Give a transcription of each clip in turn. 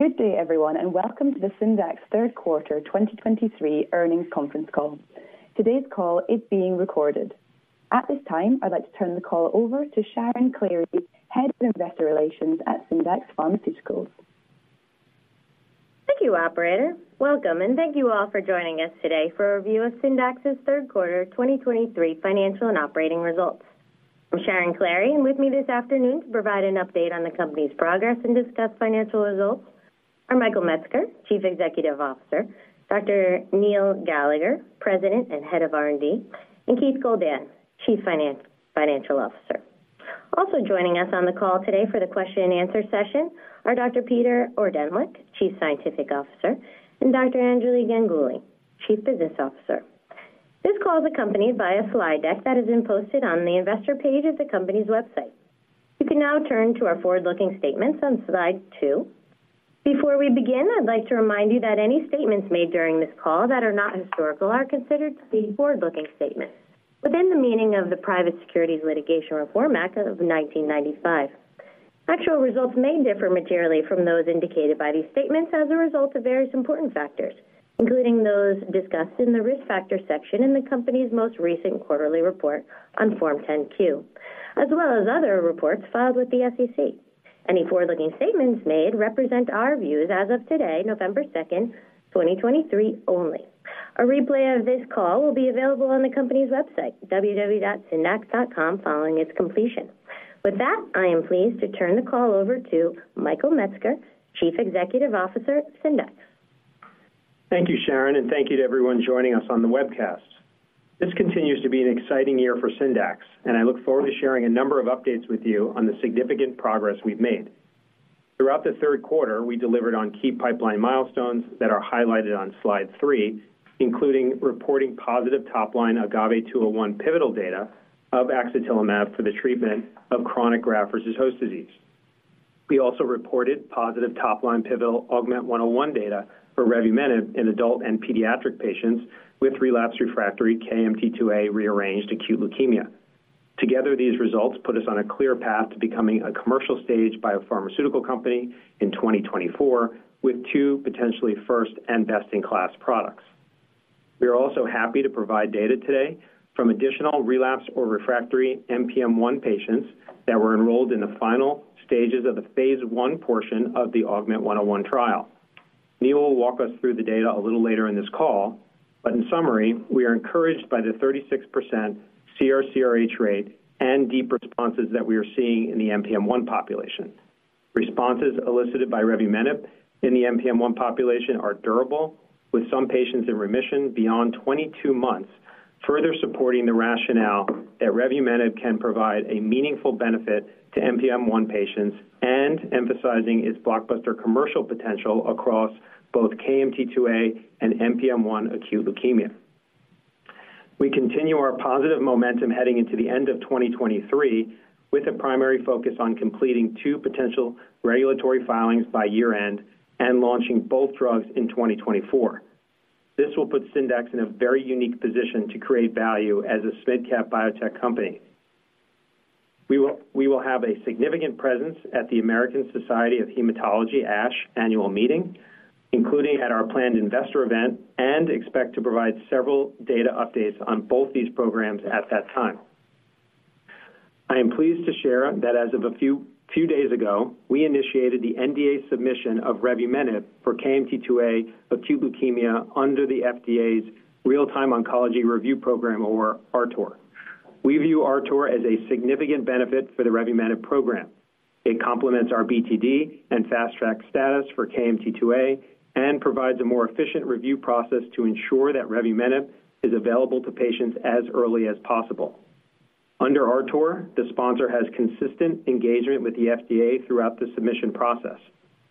Good day, everyone, and welcome to the Syndax Third Quarter 2023 Earnings Conference Call. Today's call is being recorded. At this time, I'd like to turn the call over to Sharon Klahre, Head of Investor Relations at Syndax Pharmaceuticals. Thank you, operator. Welcome, and thank you all for joining us today for a review of Syndax's Third Quarter 2023 Financial and Operating Results. I'm Sharon Klahre, and with me this afternoon to provide an update on the company's progress and discuss financial results are Michael Metzger, Chief Executive Officer, Dr. Neil Gallagher, President and Head of R&D, and Keith Goldan, Chief Financial Officer. Also joining us on the call today for the question and answer session are Dr. Peter Ordentlich, Chief Scientific Officer, and Dr. Anjali Ganguli, Chief Business Officer. This call is accompanied by a slide deck that has been posted on the investor page of the company's website. You can now turn to our forward-looking statements on slide 2. Before we begin, I'd like to remind you that any statements made during this call that are not historical are considered to be forward-looking statements within the meaning of the Private Securities Litigation Reform Act of 1995. Actual results may differ materially from those indicated by these statements as a result of various important factors, including those discussed in the Risk Factors section in the company's most recent quarterly report on Form 10-Q, as well as other reports filed with the SEC. Any forward-looking statements made represent our views as of today, November 2, 2023 only. A replay of this call will be available on the company's website, www.syndax.com, following its completion. With that, I am pleased to turn the call over to Michael Metzger, Chief Executive Officer at Syndax. Thank you, Sharon, and thank you to everyone joining us on the webcast. This continues to be an exciting year for Syndax, and I look forward to sharing a number of updates with you on the significant progress we've made. Throughout the Q3 we delivered on key pipeline milestones that are highlighted on slide 3, including reporting positive top-line AGAVE-201 pivotal data of axatilimab for the treatment of chronic graft-versus-host disease. We also reported positive top-line pivotal AUGMENT-101 data for revumenib in adult and pediatric patients with relapsed refractory KMT2A rearranged acute leukemia. Together, these results put us on a clear path to becoming a commercial-stage biopharmaceutical company in 2024, with two potentially first and best-in-class products. We are also happy to provide data today from additional relapsed or refractory NPM1 patients that were enrolled in the final stages of the phase 1 portion of the AUGMENT-101 trial. Neil will walk us through the data a little later in this call, but in summary, we are encouraged by the 36% CRc rate and deep responses that we are seeing in the NPM1 population. Responses elicited by revumenib in the NPM1 population are durable, with some patients in remission beyond 22 months, further supporting the rationale that revumenib can provide a meaningful benefit to NPM1 patients and emphasizing its blockbuster commercial potential across both KMT2A and NPM1 acute leukemia. We continue our positive momentum heading into the end of 2023, with a primary focus on completing two potential regulatory filings by year-end and launching both drugs in 2024. This will put Syndax in a very unique position to create value as a midcap biotech company. We will have a significant presence at the American Society of Hematology, ASH, annual meeting, including at our planned investor event, and expect to provide several data updates on both these programs at that time. I am pleased to share that as of a few days ago, we initiated the NDA submission of revumenib for KMT2A acute leukemia under the FDA's Real-Time Oncology Review program, or RTOR. We view RTOR as a significant benefit for the revumenib program. It complements our BTD and Fast Track status for KMT2A and provides a more efficient review process to ensure that revumenib is available to patients as early as possible. Under RTOR, the sponsor has consistent engagement with the FDA throughout the submission process.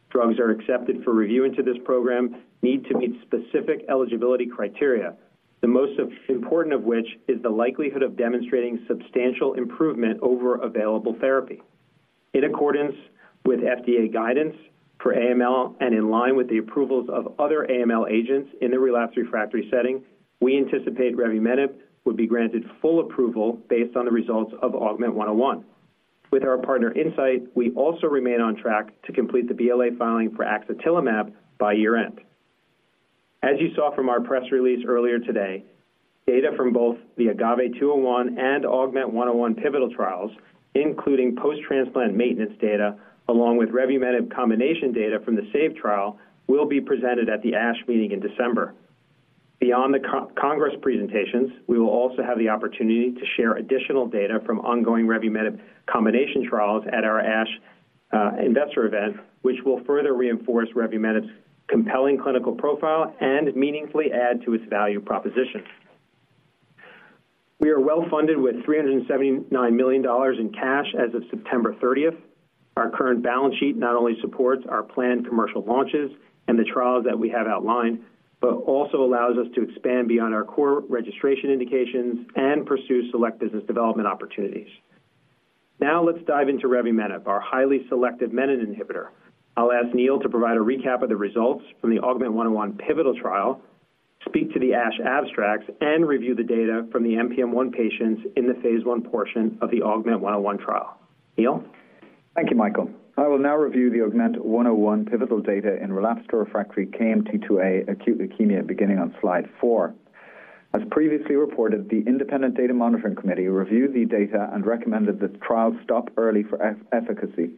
Drugs are accepted for review into this program need to meet specific eligibility criteria, the most important of which is the likelihood of demonstrating substantial improvement over available therapy. In accordance with FDA guidance for AML, and in line with the approvals of other AML agents in the relapsed refractory setting, we anticipate revumenib would be granted full approval based on the results of AUGMENT-101. With our partner, Incyte, we also remain on track to complete the BLA filing for axatilimab by year-end. As you saw from our press release earlier today, data from both the AGAVE-201 and AUGMENT-101 pivotal trials, including post-transplant maintenance data, along with revumenib combination data from the SAVE trial, will be presented at the ASH meeting in December. Beyond the co-Congress presentations, we will also have the opportunity to share additional data from ongoing revumenib combination trials at our ASH investor event, which will further reinforce revumenib's compelling clinical profile and meaningfully add to its value proposition. We are well-funded with $379 million in cash as of September 30. Our current balance sheet not only supports our planned commercial launches and the trials that we have outlined, but also allows us to expand beyond our core registration indications and pursue select business development opportunities. Now let's dive into revumenib, our highly selective menin inhibitor. I'll ask Neil to provide a recap of the results from the AUGMENT-101 pivotal trial, speak to the ASH abstracts and review the data from the NPM1 patients in the phase 1 portion of the AUGMENT-101 trial. Neil? Thank you, Michael. I will now review the AUGMENT-101 pivotal data in relapsed refractory KMT2A acute leukemia, beginning on slide 4. As previously reported, the Independent Data Monitoring Committee reviewed the data and recommended that the trial stop early for efficacy,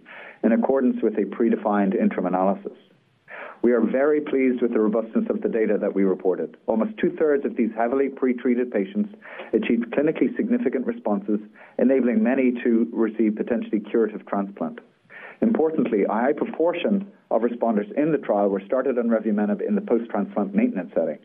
in accordance with a predefined interim analysis. We are very pleased with the robustness of the data that we reported. Almost two-thirds of these heavily pretreated patients achieved clinically significant responses, enabling many to receive potentially curative transplant. Importantly, a high proportion of responders in the trial were started on revumenib in the post-transplant maintenance setting.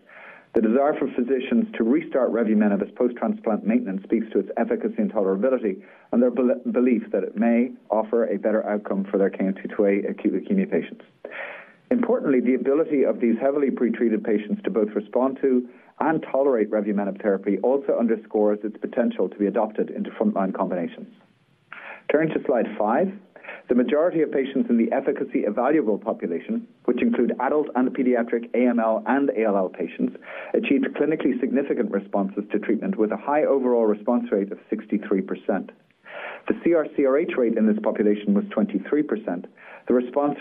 The desire for physicians to restart revumenib as post-transplant maintenance speaks to its efficacy and tolerability, and their belief that it may offer a better outcome for their KMT2A acute leukemia patients. Importantly, the ability of these heavily pretreated patients to both respond to and tolerate revumenib therapy also underscores its potential to be adopted into frontline combinations. Turning to slide 5. The majority of patients in the efficacy-evaluable population, which include adults and pediatric AML and ALL patients, achieved clinically significant responses to treatment, with a high overall response rate of 63%. The CR/CRh rate in this population was 23%. The response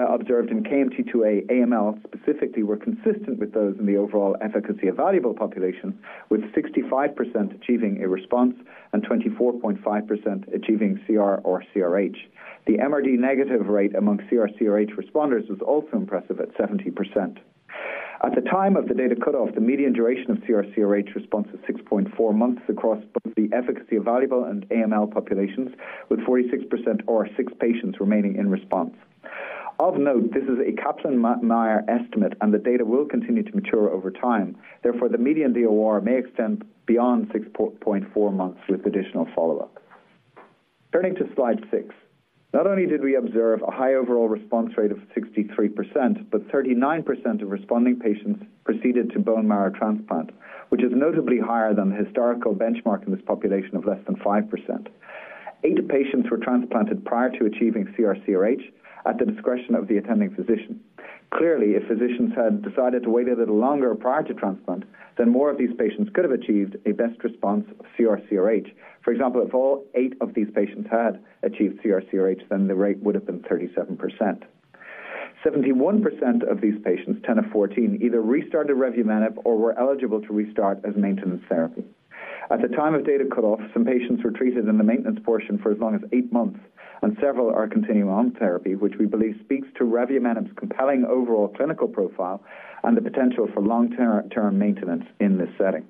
rates, observed in KMT2A AML specifically were consistent with those in the overall efficacy-evaluable population, with 65% achieving a response and 24.5% achieving CR or CRh. The MRD negative rate among CR/CRh responders was also impressive, at 70%. At the time of the data cut-off, the median duration of CR/CRh response was 6.4 months across both the efficacy-evaluable and AML populations, with 46% or 6 patients remaining in response. Of note, this is a Kaplan-Meier estimate, and the data will continue to mature over time. Therefore, the median DOR may extend beyond 6.4 months with additional follow-up. Turning to Slide 6. Not only did we observe a high overall response rate of 63%, but 39% of responding patients proceeded to bone marrow transplant, which is notably higher than the historical benchmark in this population of less than 5%. Eight patients were transplanted prior to achieving CR/CRh at the discretion of the attending physician. Clearly, if physicians had decided to wait a little longer prior to transplant, then more of these patients could have achieved a best response of CR/CRh. For example, if all 8 of these patients had achieved CR/CRh, then the rate would have been 37%. Seventy-one percent of these patients, 10 of 14, either restarted revumenib or were eligible to restart as maintenance therapy. At the time of data cut-off, some patients were treated in the maintenance portion for as long as 8 months, and several are continuing on therapy, which we believe speaks to revumenib's compelling overall clinical profile and the potential for long-term maintenance in this setting.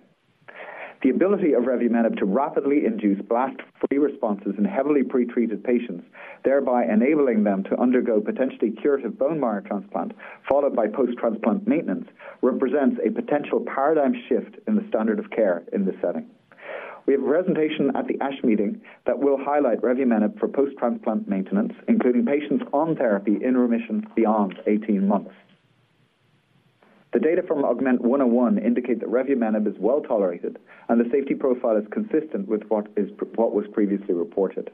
The ability of revumenib to rapidly induce blast-free responses in heavily pretreated patients, thereby enabling them to undergo potentially curative bone marrow transplant, followed by post-transplant maintenance, represents a potential paradigm shift in the standard of care in this setting. We have a presentation at the ASH meeting that will highlight revumenib for post-transplant maintenance, including patients on therapy in remission beyond 18 months. The data from AUGMENT-101 indicate that revumenib is well tolerated, and the safety profile is consistent with what was previously reported.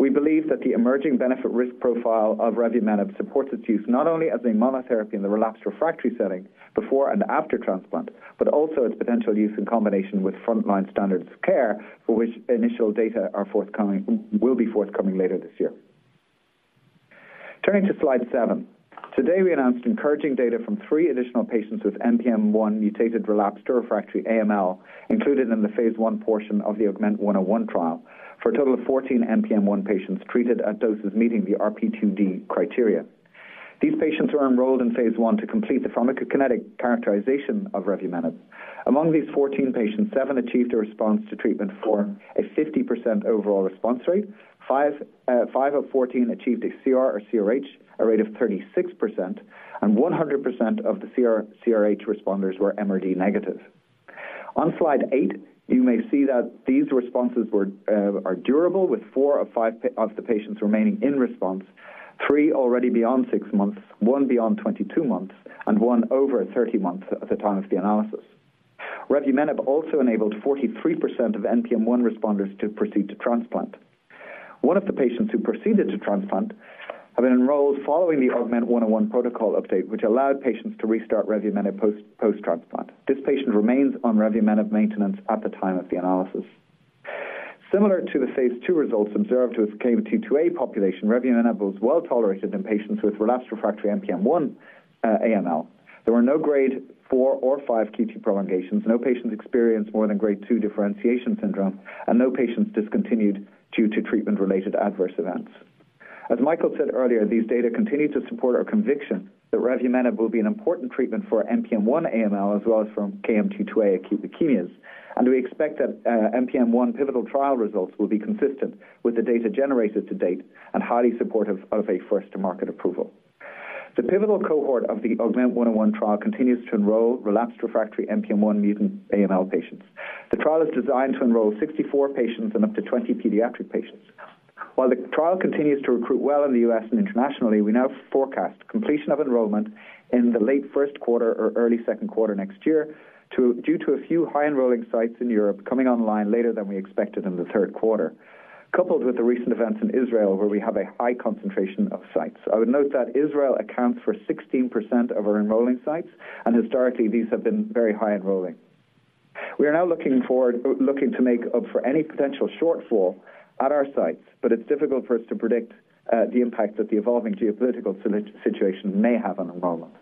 We believe that the emerging benefit-risk profile of revumenib supports its use, not only as a monotherapy in the relapsed/refractory setting before and after transplant, but also its potential use in combination with frontline standards of care, for which initial data will be forthcoming later this year. Turning to slide 7. Today, we announced encouraging data from 3 additional patients with NPM1-mutated relapsed or refractory AML, included in the phase 1 portion of the AUGMENT-101 trial, for a total of 14 NPM1 patients treated at doses meeting the RP2D criteria. These patients were enrolled in phase 1 to complete the pharmacokinetic characterization of revumenib. Among these 14 patients, 7 achieved a response to treatment for a 50% overall response rate. Five of 14 achieved a CR or CRh, a rate of 36%, and 100% of the CR/CRh responders were MRD negative. On slide 8, you may see that these responses were, are durable, with four of five of the patients remaining in response, three already beyond 6 months, one beyond 22 months, and one over 30 months at the time of the analysis. Revumenib also enabled 43% of NPM1 responders to proceed to transplant. One of the patients who proceeded to transplant had been enrolled following the AUGMENT-101 protocol update, which allowed patients to restart revumenib post, post-transplant. This patient remains on revumenib maintenance at the time of the analysis. Similar to the phase 2 results observed with KMT2A population, revumenib was well tolerated in patients with relapsed refractory NPM1, AML. There were no grade 4 or 5 QT prolongations, no patients experienced more than grade 2 differentiation syndrome, and no patients discontinued due to treatment-related adverse events. As Michael said earlier, these data continue to support our conviction that revumenib will be an important treatment for NPM1 AML, as well as from KMT2A acute leukemias, and we expect that, NPM1 pivotal trial results will be consistent with the data generated to date and highly supportive of a first-to-market approval. The pivotal cohort of the AUGMENT-101 trial continues to enroll relapsed refractory NPM1-mutant AML patients. The trial is designed to enroll 64 patients and up to 20 pediatric patients. While the trial continues to recruit well in the U.S. and internationally, we now forecast completion of enrollment in the late Q1 or early Q2 next year due to a few high-enrolling sites in Europe coming online later than we expected in the Q3, coupled with the recent events in Israel, where we have a high concentration of sites. I would note that Israel accounts for 16% of our enrolling sites, and historically, these have been very high enrolling. We are now looking to make up for any potential shortfall at our sites, but it's difficult for us to predict the impact that the evolving geopolitical situation may have on enrollment.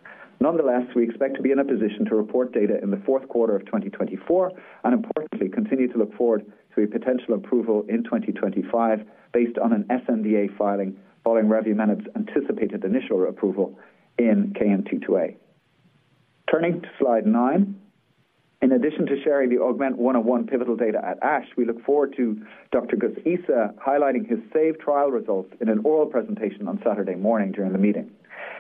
Nonetheless, we expect to be in a position to report data in the Q4 of 2024, and importantly, continue to look forward to a potential approval in 2025 based on an sNDA filing following revumenib's anticipated initial approval in KMT2A. Turning to slide 9. In addition to sharing the AUGMENT-101 pivotal data at ASH, we look forward to Dr. Ghayas Issa highlighting his SAVE trial results in an oral presentation on Saturday morning during the meeting.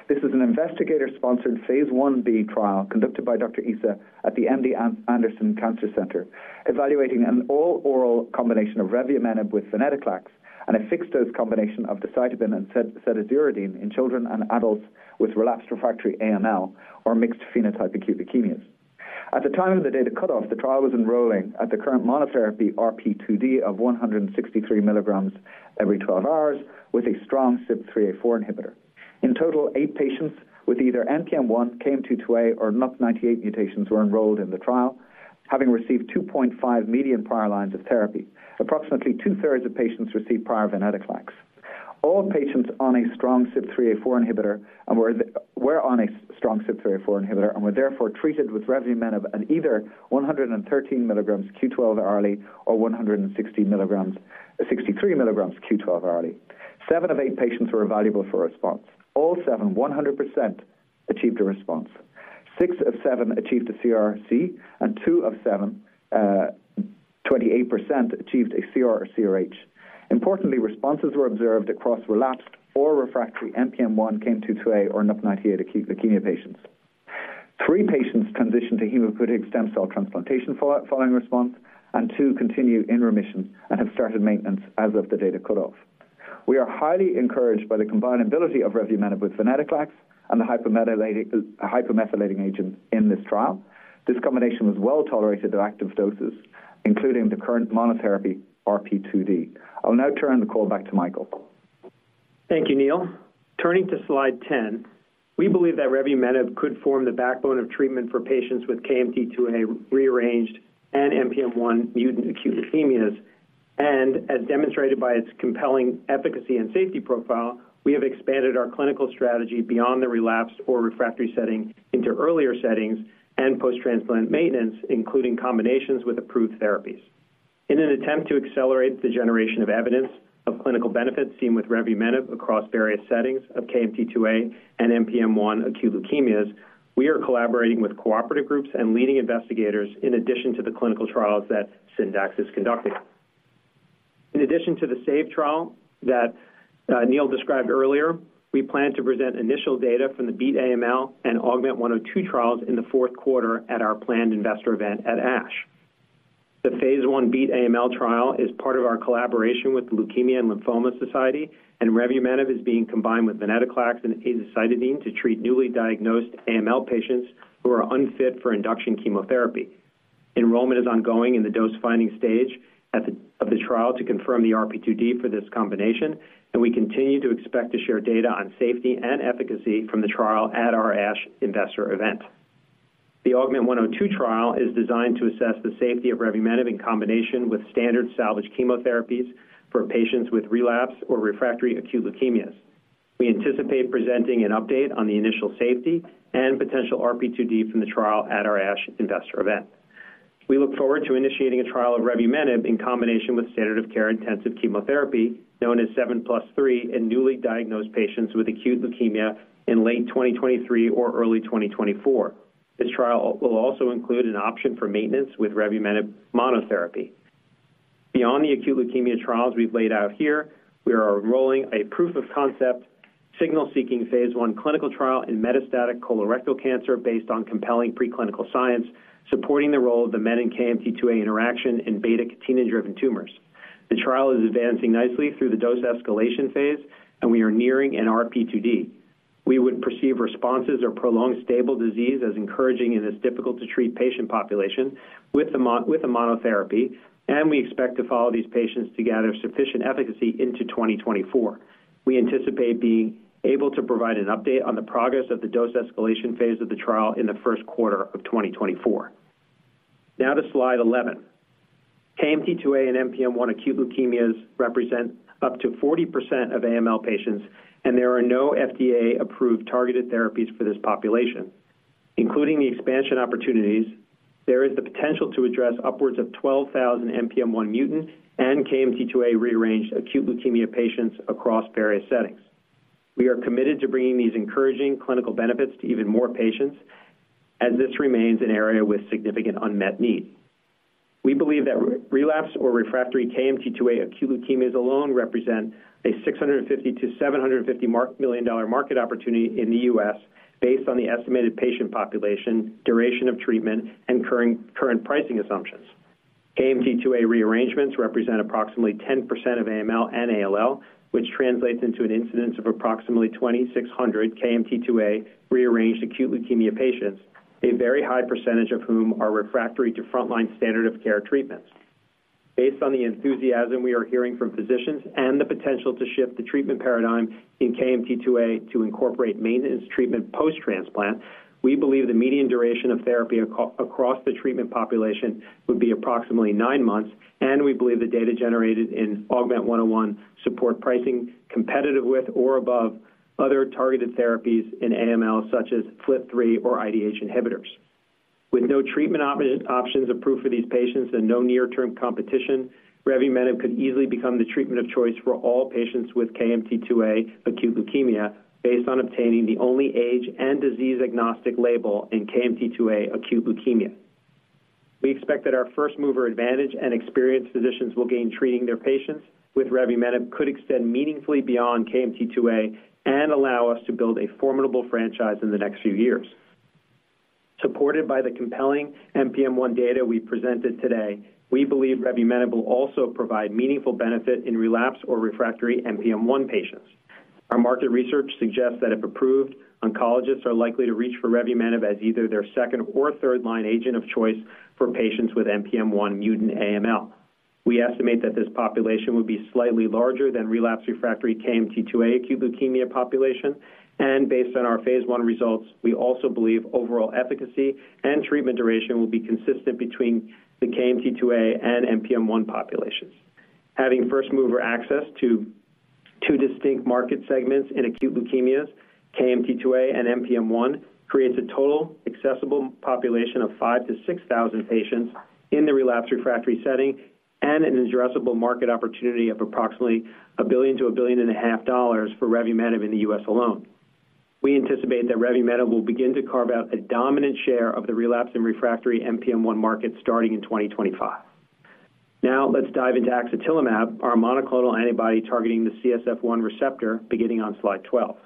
This is an investigator-sponsored phase 1B trial conducted by Dr. Issa at the MD Anderson Cancer Center, evaluating an all-oral combination of revumenib with venetoclax, and a fixed-dose combination of decitabine and cedazuridine in children and adults with relapsed refractory AML or mixed phenotype acute leukemias. At the time of the data cutoff, the trial was enrolling at the current monotherapy RP2D of 163 mg every 12 hours, with a strong CYP3A4 inhibitor. In total, 8 patients with either NPM1, KMT2A, or NUP98 mutations were enrolled in the trial, having received 2.5 median prior lines of therapy. Approximately two-thirds of patients received prior venetoclax. All patients on a strong CYP3A4 inhibitor were on a strong CYP3A4 inhibitor and were therefore treated with revumenib at either 113 mg Q12 hourly or 163 mg Q12 hourly. Seven of 8 patients were evaluable for response. All 7, 100%, achieved a response. Six of 7 achieved a CRc, and 2 of 7, 28%, achieved a CR or CRh. Importantly, responses were observed across relapsed or refractory NPM1, KMT2A, or NUP98 acute leukemia patients. Three patients transitioned to hematopoietic stem cell transplantation following response, and two continue in remission and have started maintenance as of the data cutoff. We are highly encouraged by the combinability of revumenib with venetoclax and the hypomethylating, hypomethylating agent in this trial. This combination was well tolerated to active doses, including the current monotherapy RP2D. I'll now turn the call back to Michael. Thank you, Neil. Turning to slide 10, we believe that revumenib could form the backbone of treatment for patients with KMT2A-rearranged and NPM1-mutant acute leukemias, and as demonstrated by its compelling efficacy and safety profile, we have expanded our clinical strategy beyond the relapsed or refractory setting into earlier settings and post-transplant maintenance, including combinations with approved therapies. In an attempt to accelerate the generation of evidence of clinical benefits seen with revumenib across various settings of KMT2A and NPM1 acute leukemias, we are collaborating with cooperative groups and leading investigators in addition to the clinical trials that Syndax is conducting. In addition to the SAVE trial that Neil described earlier, we plan to present initial data from the BEAT-AML and AUGMENT-102 trials in the Q4 at our planned investor event at ASH. The phase 1 BEAT-AML trial is part of our collaboration with the Leukemia & Lymphoma Society, and revumenib is being combined with venetoclax and azacitidine to treat newly diagnosed AML patients who are unfit for induction chemotherapy. Enrollment is ongoing in the dose-finding stage of the trial to confirm the RP2D for this combination, and we continue to expect to share data on safety and efficacy from the trial at our ASH investor event. The AUGMENT-102 trial is designed to assess the safety of revumenib in combination with standard salvage chemotherapies for patients with relapse or refractory acute leukemias. We anticipate presenting an update on the initial safety and potential RP2D from the trial at our ASH investor event. We look forward to initiating a trial of revumenib in combination with standard of care intensive chemotherapy, known as 7+3, in newly diagnosed patients with acute leukemia in late 2023 or early 2024. This trial will also include an option for maintenance with revumenib monotherapy. Beyond the acute leukemia trials we've laid out here, we are enrolling a proof of concept, signal-seeking phase 1 clinical trial in metastatic colorectal cancer based on compelling preclinical science, supporting the role of the menin in KMT2A interaction in beta-catenin-driven tumors. The trial is advancing nicely through the dose escalation phase, and we are nearing an RP2D. We would perceive responses or prolonged stable disease as encouraging in this difficult-to-treat patient population with a monotherapy, and we expect to follow these patients to gather sufficient efficacy into 2024. We anticipate being able to provide an update on the progress of the dose escalation phase of the trial in the Q1 of 2024. Now to slide 11. KMT2A and NPM1 acute leukemias represent up to 40% of AML patients, and there are no FDA-approved targeted therapies for this population. Including the expansion opportunities, there is the potential to address upwards of 12,000 NPM1 mutant and KMT2A rearranged acute leukemia patients across various settings. We are committed to bringing these encouraging clinical benefits to even more patients, as this remains an area with significant unmet need. We believe that relapsed or refractory KMT2A acute leukemias alone represent a $650 million-$750 million market opportunity in the U.S. based on the estimated patient population, duration of treatment, and current pricing assumptions. KMT2A rearrangements represent approximately 10% of AML and ALL, which translates into an incidence of approximately 2,600 KMT2A rearranged acute leukemia patients, a very high percentage of whom are refractory to frontline standard of care treatments. Based on the enthusiasm we are hearing from physicians and the potential to shift the treatment paradigm in KMT2A to incorporate maintenance treatment post-transplant, we believe the median duration of therapy across the treatment population would be approximately 9 months, and we believe the data generated in AUGMENT-101 support pricing competitive with or above other targeted therapies in AML, such as FLT3 or IDH inhibitors. With no treatment options approved for these patients and no near-term competition, revumenib could easily become the treatment of choice for all patients with KMT2A acute leukemia, based on obtaining the only age and disease-agnostic label in KMT2A acute leukemia. We expect that our first-mover advantage and experienced physicians will gain treating their patients with revumenib could extend meaningfully beyond KMT2A and allow us to build a formidable franchise in the next few years. Supported by the compelling NPM1 data we presented today, we believe revumenib will also provide meaningful benefit in relapsed or refractory NPM1 patients. Our market research suggests that if approved, oncologists are likely to reach for revumenib as either their second or third-line agent of choice for patients with NPM1 mutant AML. We estimate that this population will be slightly larger than relapsed refractory KMT2A acute leukemia population, and based on our phase I results, we also believe overall efficacy and treatment duration will be consistent between the KMT2A and NPM1 populations. Having first-mover access to two distinct market segments in acute leukemias, KMT2A and NPM1, creates a total accessible population of 5-6,000 patients in the relapsed refractory setting and an addressable market opportunity of approximately $1 to $1.5 billion for revumenib in the U.S. alone. We anticipate that revumenib will begin to carve out a dominant share of the relapsed and refractory NPM1 market starting in 2025. Now, let's dive into axatilimab, our monoclonal antibody targeting the CSF-1R, beginning on slide 12.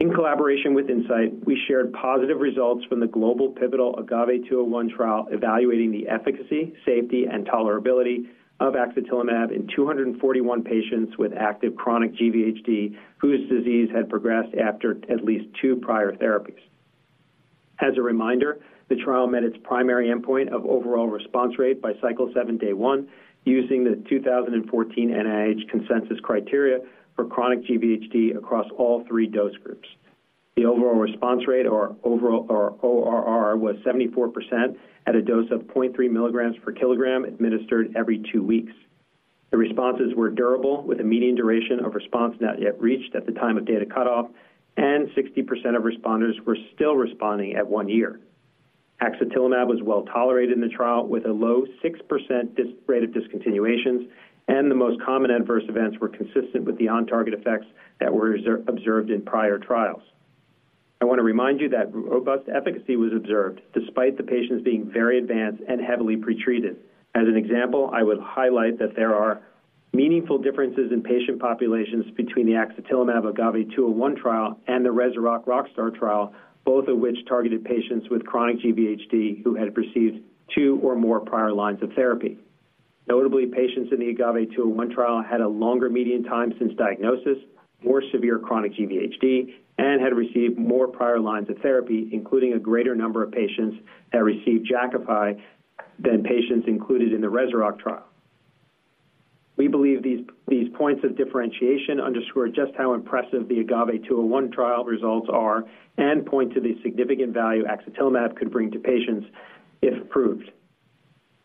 In collaboration with Incyte, we shared positive results from the global pivotal AGAVE-201 trial, evaluating the efficacy, safety, and tolerability of axatilimab in 241 patients with active chronic GVHD, whose disease had progressed after at least two prior therapies. As a reminder, the trial met its primary endpoint of overall response rate by cycle 7, day 1, using the 2014 NIH consensus criteria for chronic GVHD across all three dose groups. The overall response rate or ORR was 74% at a dose of 0.3 milligrams per kilogram, administered every 2 weeks. The responses were durable, with a median duration of response not yet reached at the time of data cutoff, and 60% of responders were still responding at 1 year. Axatilimab was well tolerated in the trial, with a low 6% discontinuation rate, and the most common adverse events were consistent with the on-target effects that were observed in prior trials. I want to remind you that robust efficacy was observed despite the patients being very advanced and heavily pretreated. As an example, I would highlight that there are meaningful differences in patient populations between the axatilimab AGAVE-201 trial and the Rezurock ROCKstar trial, both of which targeted patients with chronic GVHD who had received two or more prior lines of therapy. Notably, patients in the AGAVE-201 trial had a longer median time since diagnosis, more severe chronic GVHD, and had received more prior lines of therapy, including a greater number of patients that received Jakafi than patients included in the Rezurock trial. We believe these points of differentiation underscore just how impressive the AGAVE-201 trial results are and point to the significant value axatilimab could bring to patients if approved.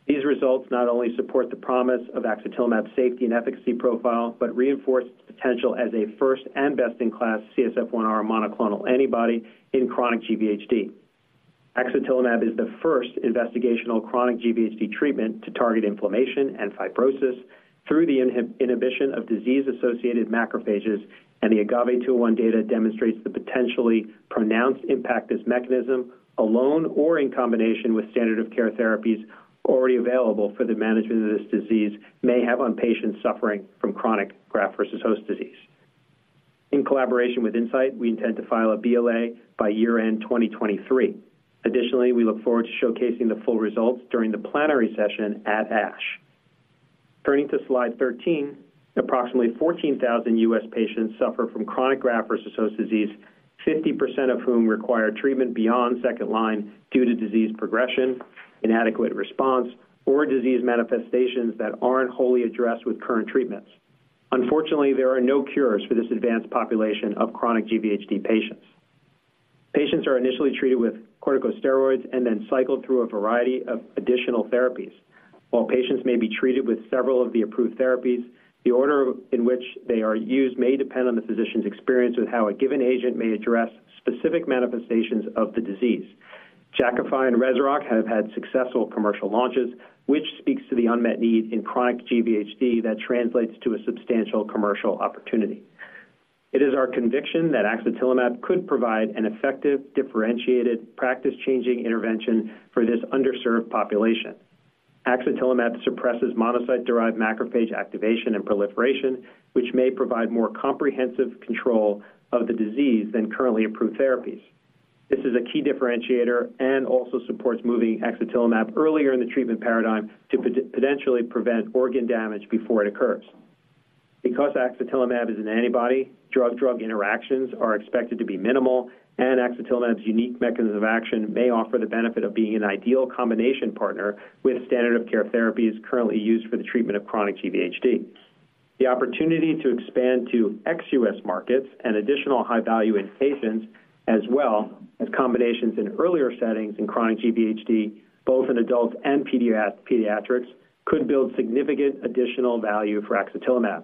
These results not only support the promise of axatilimab's safety and efficacy profile, but reinforce its potential as a first and best-in-class CSF-1R monoclonal antibody in chronic GVHD. Axatilimab is the first investigational chronic GVHD treatment to target inflammation and fibrosis through the inhibition of disease-associated macrophages, and the AGAVE-201 data demonstrates the potentially pronounced impact this mechanism, alone or in combination with standard of care therapies already available for the management of this disease, may have on patients suffering from chronic graft-versus-host disease. In collaboration with Incyte, we intend to file a BLA by year-end 2023. Additionally, we look forward to showcasing the full results during the plenary session at ASH. Turning to slide 13, approximately 14,000 U.S. patients suffer from chronic graft-versus-host disease, 50% of whom require treatment beyond second-line due to disease progression, inadequate response, or disease manifestations that aren't wholly addressed with current treatments. Unfortunately, there are no cures for this advanced population of chronic GVHD patients. Patients are initially treated with corticosteroids and then cycled through a variety of additional therapies. While patients may be treated with several of the approved therapies, the order in which they are used may depend on the physician's experience with how a given agent may address specific manifestations of the disease. Jakafi and Rezurock have had successful commercial launches, which speaks to the unmet need in chronic GVHD that translates to a substantial commercial opportunity. It is our conviction that axatilimab could provide an effective, differentiated, practice-changing intervention for this underserved population. Axatilimab suppresses monocyte-derived macrophage activation and proliferation, which may provide more comprehensive control of the disease than currently approved therapies. This is a key differentiator and also supports moving axatilimab earlier in the treatment paradigm to potentially prevent organ damage before it occurs. Because axatilimab is an antibody, drug-drug interactions are expected to be minimal, and axatilimab's unique mechanism of action may offer the benefit of being an ideal combination partner with standard of care therapies currently used for the treatment of chronic GVHD. The opportunity to expand to ex-US markets and additional high-value in patients, as well as combinations in earlier settings in chronic GVHD, both in adults and pediatrics, could build significant additional value for axatilimab.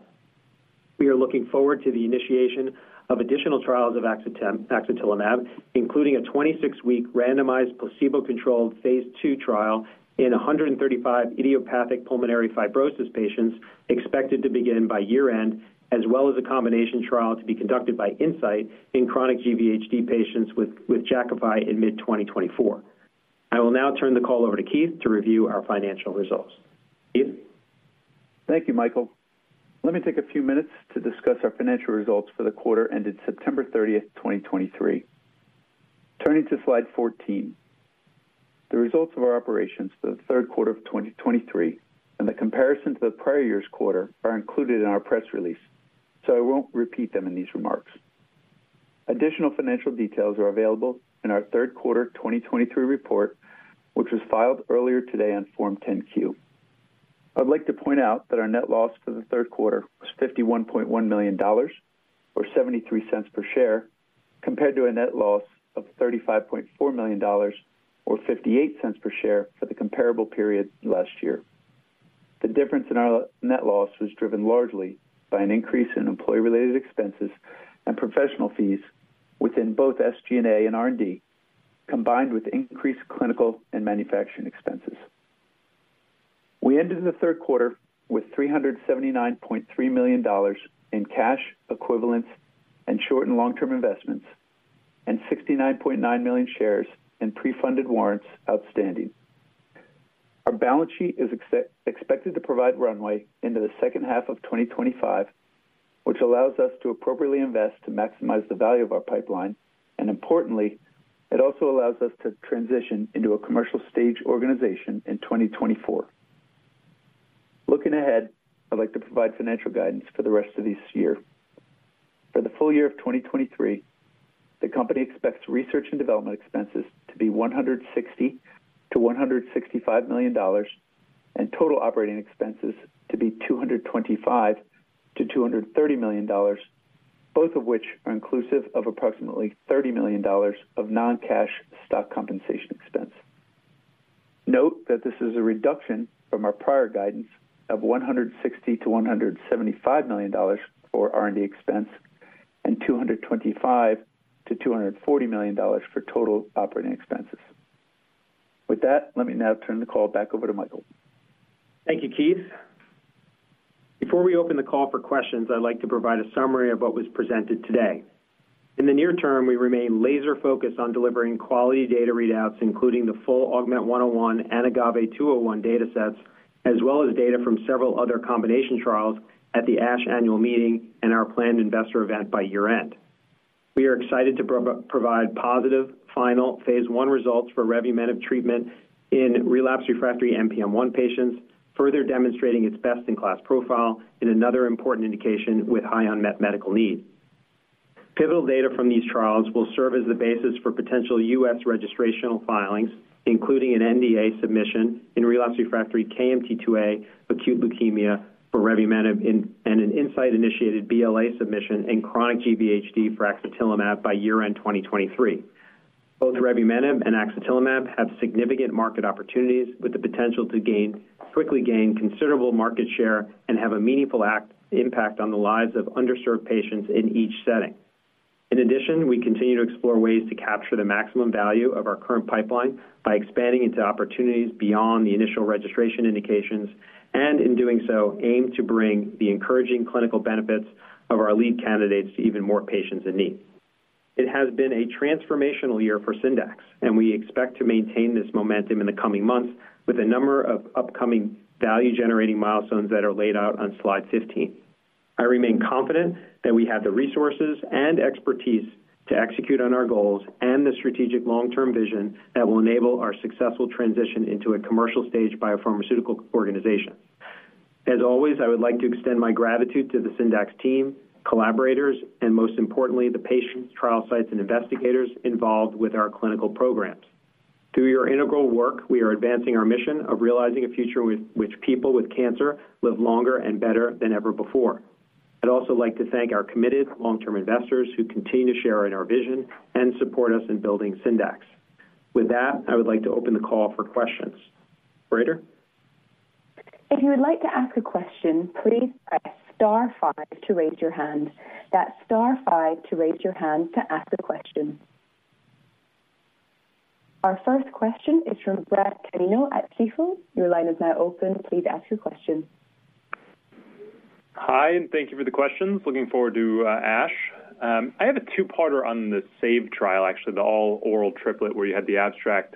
We are looking forward to the initiation of additional trials of axatilimab, including a 26-week randomized placebo-controlled phase II trial in 135 idiopathic pulmonary fibrosis patients, expected to begin by year-end, as well as a combination trial to be conducted by Incyte in chronic GVHD patients with Jakafi in mid-2024. I will now turn the call over to Keith to review our financial results. Keith? Thank you, Michael. Let me take a few minutes to discuss our financial results for the quarter ended September 30, 2023. Turning to slide 14, the results of our operations for the Q3 of 2023 and the comparison to the prior year's quarter are included in our press release, so I won't repeat them in these remarks. Additional financial details are available in our Q3 2023 report, which was filed earlier today on Form 10-Q. I'd like to point out that our net loss for the Q3 was $51.1 million, or $0.73 per share, compared to a net loss of $35.4 million, or $0.58 per share, for the comparable period last year. The difference in our net loss was driven largely by an increase in employee-related expenses and professional fees within both SG&A and R&D, combined with increased clinical and manufacturing expenses. We ended the Q3 with $379.3 million in cash equivalents and short- and long-term investments, and 69.9 million shares in pre-funded warrants outstanding. Our balance sheet is expected to provide runway into the second half of 2025, which allows us to appropriately invest to maximize the value of our pipeline, and importantly, it also allows us to transition into a commercial stage organization in 2024. Looking ahead, I'd like to provide financial guidance for the rest of this year. For the full year of 2023, the company expects research and development expenses to be $160 million-$165 million, and total operating expenses to be $225 to $230 million, both of which are inclusive of approximately $30 million of non-cash stock compensation expense. Note that this is a reduction from our prior guidance of $160 to $175 million for R&D expense and $225 to $240 million for total operating expenses. With that, let me now turn the call back over to Michael. Thank you, Keith. Before we open the call for questions, I'd like to provide a summary of what was presented today. In the near term, we remain laser focused on delivering quality data readouts, including the full AUGMENT-101 and AGAVE-201 datasets, as well as data from several other combination trials at the ASH annual meeting and our planned investor event by year-end. We are excited to provide positive final phase 1 results for revumenib treatment in relapsed refractory NPM1 patients, further demonstrating its best-in-class profile in another important indication with high unmet medical need. Pivotal data from these trials will serve as the basis for potential U.S. registrational filings, including an NDA submission in relapsed refractory KMT2A acute leukemia for revumenib, and an Incyte-initiated BLA submission in chronic GVHD for axatilimab by year-end 2023. Both revumenib and axatilimab have significant market opportunities, with the potential to quickly gain considerable market share and have a meaningful impact on the lives of underserved patients in each setting. In addition, we continue to explore ways to capture the maximum value of our current pipeline by expanding into opportunities beyond the initial registration indications, and in doing so, aim to bring the encouraging clinical benefits of our lead candidates to even more patients in need. It has been a transformational year for Syndax, and we expect to maintain this momentum in the coming months with a number of upcoming value-generating milestones that are laid out on slide 15. I remain confident that we have the resources and expertise to execute on our goals and the strategic long-term vision that will enable our successful transition into a commercial stage biopharmaceutical organization. As always, I would like to extend my gratitude to the Syndax team, collaborators, and most importantly, the patients, trial sites, and investigators involved with our clinical programs. Through your integral work, we are advancing our mission of realizing a future with which people with cancer live longer and better than ever before. I'd also like to thank our committed long-term investors, who continue to share in our vision and support us in building Syndax. With that, I would like to open the call for questions. Operator? If you would like to ask a question, please press star five to raise your hand. That's star five to raise your hand to ask a question. Our first question is from Brad Canino at Stifel. Your line is now open. Please ask your question. Hi, and thank you for the questions. Looking forward to ASH. I have a two-parter on the SAVE trial, actually, the all-oral triplet, where you had the abstract....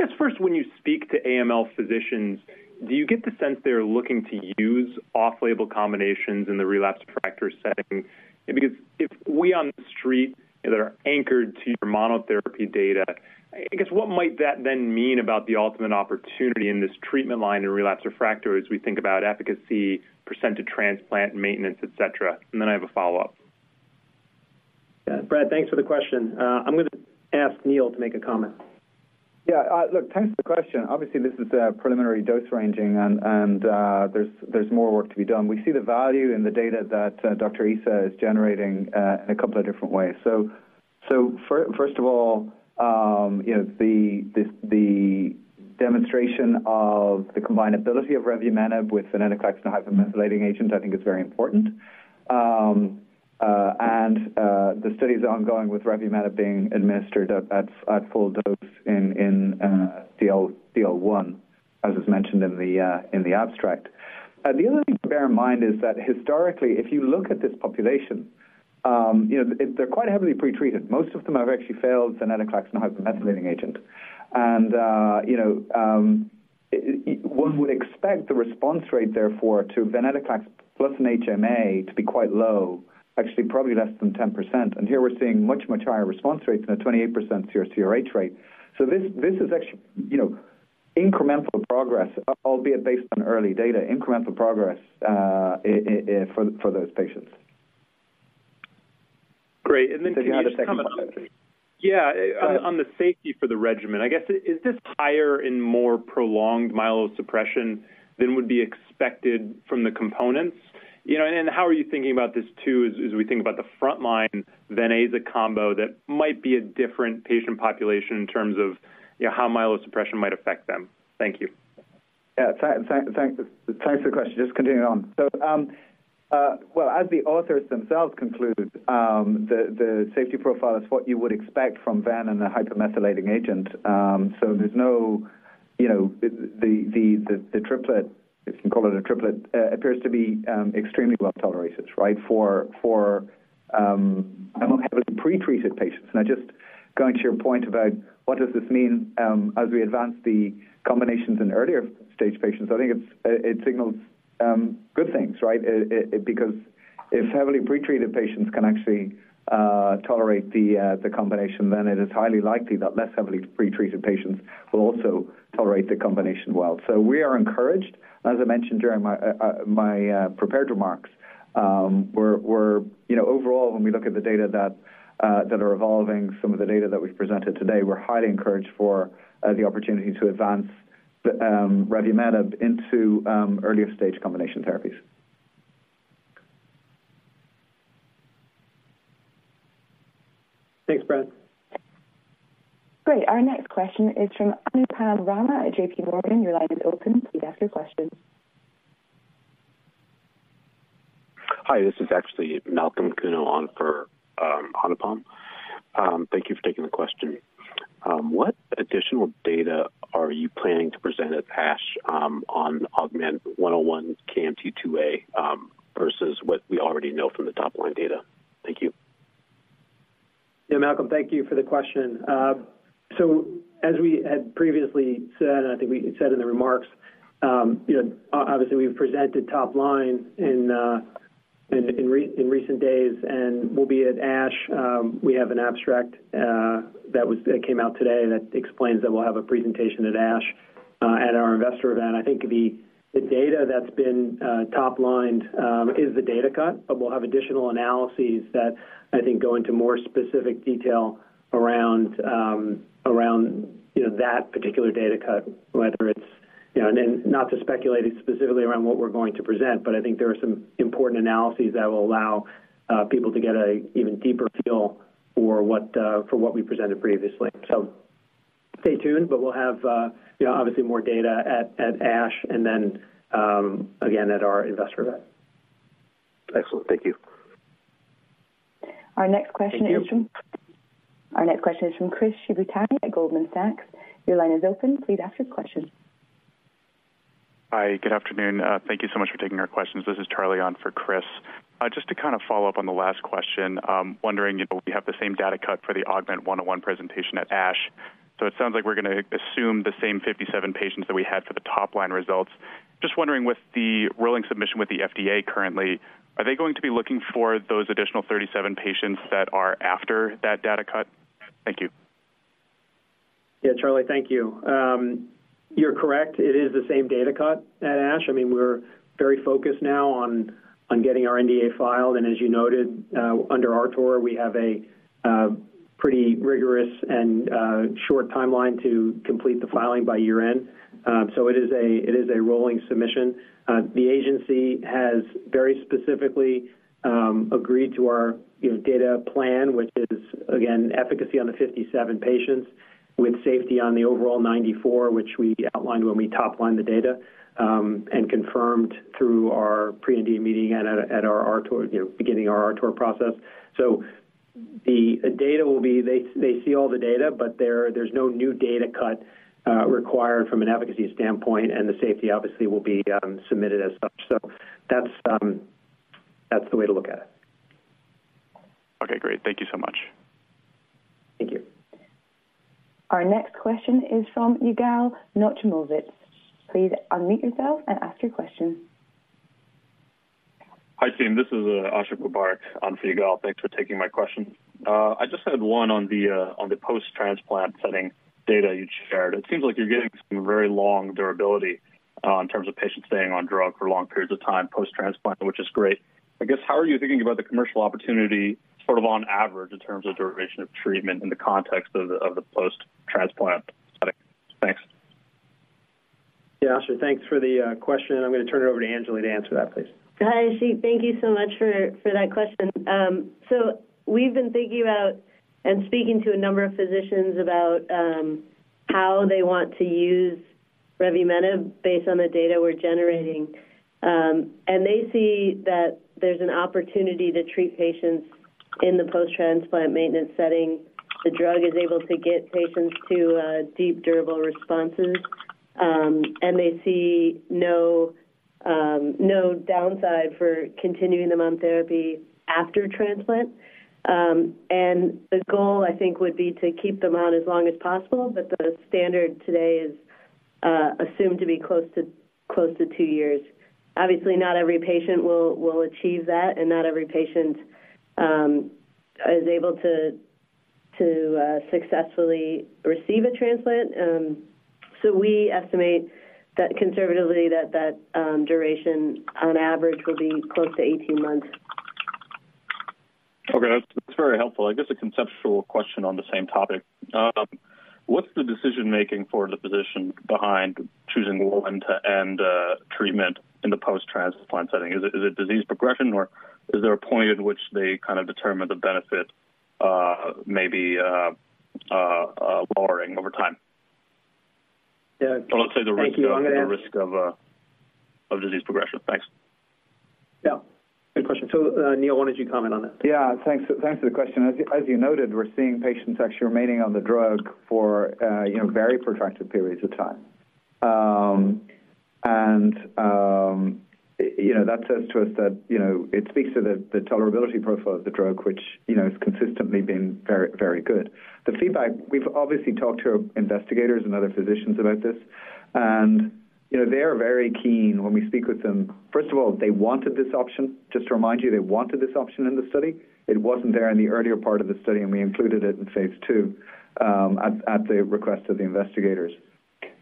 Yes, first, when you speak to AML physicians, do you get the sense they're looking to use off-label combinations in the relapsed refractory setting? Because if we on the street that are anchored to your monotherapy data, I guess, what might that then mean about the ultimate opportunity in this treatment line in relapsed refractory as we think about efficacy, percent to transplant, maintenance, et cetera? And then I have a follow-up. Yeah, Brad, thanks for the question. I'm going to ask Neil to make a comment. Yeah, look, thanks for the question. Obviously, this is a preliminary dose ranging, and there's more work to be done. We see the value in the data that Dr. Issa is generating in a couple of different ways. So, first of all, you know, the demonstration of the combinability of revumenib with venetoclax and a hypomethylating agent, I think is very important. And the study is ongoing with revumenib being administered at full dose in cycle 1, as was mentioned in the abstract. The other thing to bear in mind is that historically, if you look at this population, you know, they're quite heavily pretreated. Most of them have actually failed venetoclax and a hypomethylating agent. You know, one would expect the response rate, therefore, to venetoclax plus an HMA to be quite low, actually, probably less than 10%. Here we're seeing much, much higher response rates than a 28% CR/CRh rate. So this is actually, you know, incremental progress, albeit based on early data, incremental progress, for those patients. Great. And then- Did you have a second question? Yeah. Go ahead. On the safety for the regimen, I guess, is this higher in more prolonged myelosuppression than would be expected from the components? You know, and how are you thinking about this, too, as, as we think about the frontline Vena combo, that might be a different patient population in terms of, you know, how myelosuppression might affect them? Thank you. Yeah, thanks for the question. Just continuing on. So, well, as the authors themselves conclude, the safety profile is what you would expect from Ven and the hypomethylating agent. So there's no, you know, the triplet, if you can call it a triplet, appears to be extremely well tolerated, right? For among heavily pretreated patients. And just going to your point about what does this mean, as we advance the combinations in earlier-stage patients, I think it signals good things, right? Because if heavily pretreated patients can actually tolerate the combination, then it is highly likely that less heavily pretreated patients will also tolerate the combination well. So we are encouraged. As I mentioned during my prepared remarks, we're... You know, overall, when we look at the data that, that are evolving, some of the data that we've presented today, we're highly encouraged for the opportunity to advance revumenib into earlier-stage combination therapies. Thanks, Brad. Great. Our next question is from Anupam Rama at JPMorgan. Your line is open. Please ask your question. Hi, this is actually Malcolm Kuno on for Anupam. Thank you for taking the question. What additional data are you planning to present at ASH on AUGMENT-101 KMT2A versus what we already know from the top-line data? Thank you. Yeah, Malcolm, thank you for the question. So as we had previously said, and I think we said in the remarks, you know, obviously, we've presented top line in recent days, and we'll be at ASH. We have an abstract that came out today, that explains that we'll have a presentation at ASH at our investor event. I think the data that's been top-lined is the data cut, but we'll have additional analyses that I think go into more specific detail around, around, you know, that particular data cut, whether it's, you know. And then not to speculate specifically around what we're going to present, but I think there are some important analyses that will allow people to get a even deeper feel for what, for what we presented previously. So stay tuned, but we'll have, you know, obviously, more data at ASH and then, again, at our investor event. Excellent. Thank you. Our next question is from- Thank you. Our next question is from Chris Shibutani at Goldman Sachs. Your line is open. Please ask your question. Hi, good afternoon. Thank you so much for taking our questions. This is Charlie on for Chris. Just to kind of follow up on the last question, wondering if we have the same data cut for the AUGMENT-101 presentation at ASH. So it sounds like we're gonna assume the same 57 patients that we had for the top-line results. Just wondering, with the rolling submission with the FDA currently, are they going to be looking for those additional 37 patients that are after that data cut? Thank you. Yeah, Charlie, thank you. You're correct. It is the same data cut at ASH. I mean, we're very focused now on getting our NDA filed, and as you noted, under RTOR, we have a pretty rigorous and short timeline to complete the filing by year-end. So it is a rolling submission. The agency has very specifically agreed to our, you know, data plan, which is again, efficacy on the 57 patients, with safety on the overall 94, which we outlined when we top-lined the data, and confirmed through our pre-NDA meeting and at our RTOR, you know, beginning our RTOR process. So the data will be. They see all the data, but there's no new data cut required from an advocacy standpoint, and the safety obviously will be submitted as such. So that's, that's the way to look at it.... Okay, great. Thank you so much. Thank you. Our next question is from Yigal Nochomovitz. Please unmute yourself and ask your question. Hi, team. This is Asher on Yigal. Thanks for taking my question. I just had one on the post-transplant setting data you shared. It seems like you're getting some very long durability in terms of patients staying on drug for long periods of time post-transplant, which is great. I guess, how are you thinking about the commercial opportunity sort of on average in terms of duration of treatment in the context of the post-transplant study? Thanks. Yeah, Asher, thanks for the question. I'm gonna turn it over to Anjali to answer that, please. Hi, Asher. Thank you so much for that question. So we've been thinking about and speaking to a number of physicians about how they want to use revumenib based on the data we're generating. And they see that there's an opportunity to treat patients in the post-transplant maintenance setting. The drug is able to get patients to deep durable responses, and they see no downside for continuing them on therapy after transplant. And the goal, I think, would be to keep them on as long as possible, but the standard today is assumed to be close to two years. Obviously, not every patient will achieve that, and not every patient is able to successfully receive a transplant. We estimate that conservatively, duration on average will be close to 18 months. Okay, that's very helpful. I guess a conceptual question on the same topic. What's the decision-making for the physician behind choosing when to end treatment in the post-transplant setting? Is it disease progression, or is there a point at which they kind of determine the benefit, maybe lowering over time? Yeah. Or let's say, the risk of disease progression. Thanks. Yeah, good question. So, Neil, why don't you comment on that? Yeah, thanks. Thanks for the question. As you, as you noted, we're seeing patients actually remaining on the drug for, you know, very protracted periods of time. And, you know, that says to us that, you know, it speaks to the, the tolerability profile of the drug, which, you know, has consistently been very, very good. The feedback... We've obviously talked to investigators and other physicians about this, and, you know, they are very keen when we speak with them. First of all, they wanted this option. Just to remind you, they wanted this option in the study. It wasn't there in the earlier part of the study, and we included it in phase 2, at, at the request of the investigators.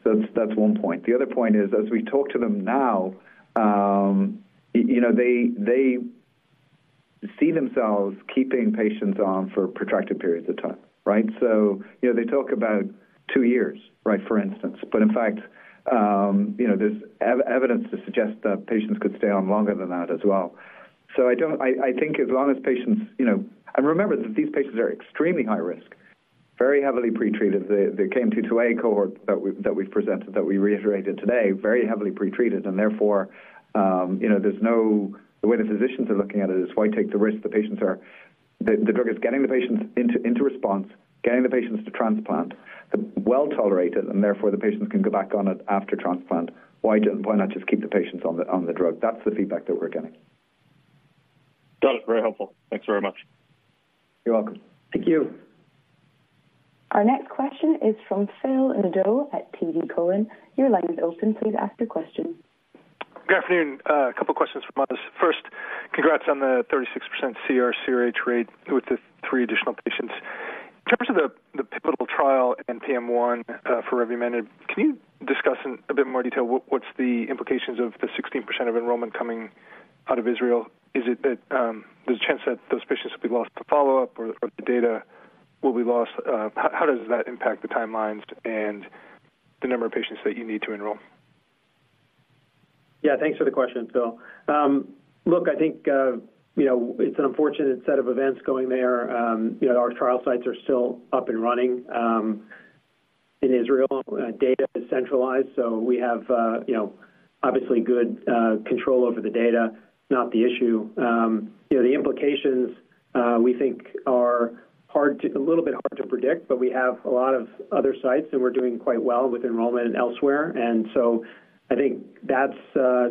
So that's, that's one point. The other point is, as we talk to them now, you know, they, they see themselves keeping patients on for protracted periods of time, right? So, you know, they talk about 2 years, right, for instance. But in fact, you know, there's evidence to suggest that patients could stay on longer than that as well. So I don't. I think as long as patients, you know. And remember that these patients are extremely high risk, very heavily pretreated. The KMT2A cohort that we, that we've presented, that we reiterated today, very heavily pretreated, and therefore, you know, there's no. The way the physicians are looking at it is, why take the risk? The drug is getting the patients into response, getting the patients to transplant, well tolerated, and therefore, the patients can go back on it after transplant. Why not just keep the patients on the drug? That's the feedback that we're getting. Got it. Very helpful. Thanks very much. You're welcome. Thank you. Our next question is from Phil Nadeau at TD Cowen. Your line is open. Please ask your question. Good afternoon. A couple questions from us. First, congrats on the 36% CR/CRA rate with the three additional patients. In terms of the, the pivotal trial and NPM1, for revumenib, can you discuss in a bit more detail what, what's the implications of the 16% of enrollment coming out of Israel? Is it that, there's a chance that those patients will be lost to follow-up or, or the data will be lost? How, how does that impact the timelines and the number of patients that you need to enroll? Yeah, thanks for the question, Phil. Look, I think, you know, it's an unfortunate set of events going there. You know, our trial sites are still up and running in Israel. Data is centralized, so we have, you know, obviously good control over the data, not the issue. You know, the implications we think are a little bit hard to predict, but we have a lot of other sites, and we're doing quite well with enrollment elsewhere. So I think that's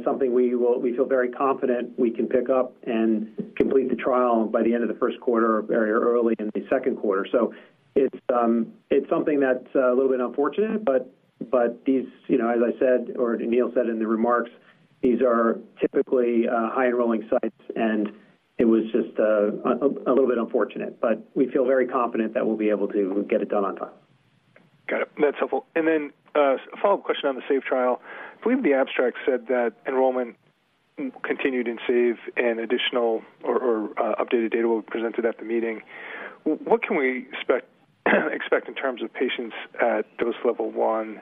something we feel very confident we can pick up and complete the trial by the end of the Q1 or very early in the Q2. So it's something that's a little bit unfortunate, but these, you know, as I said, or Neil said in the remarks, these are typically a little bit unfortunate. But we feel very confident that we'll be able to get it done on time. Got it. That's helpful. And then, a follow-up question on the SAVE trial. I believe the abstract said that enrollment continued in SAVE and additional or updated data was presented at the meeting. What can we expect in terms of patients at dose level 1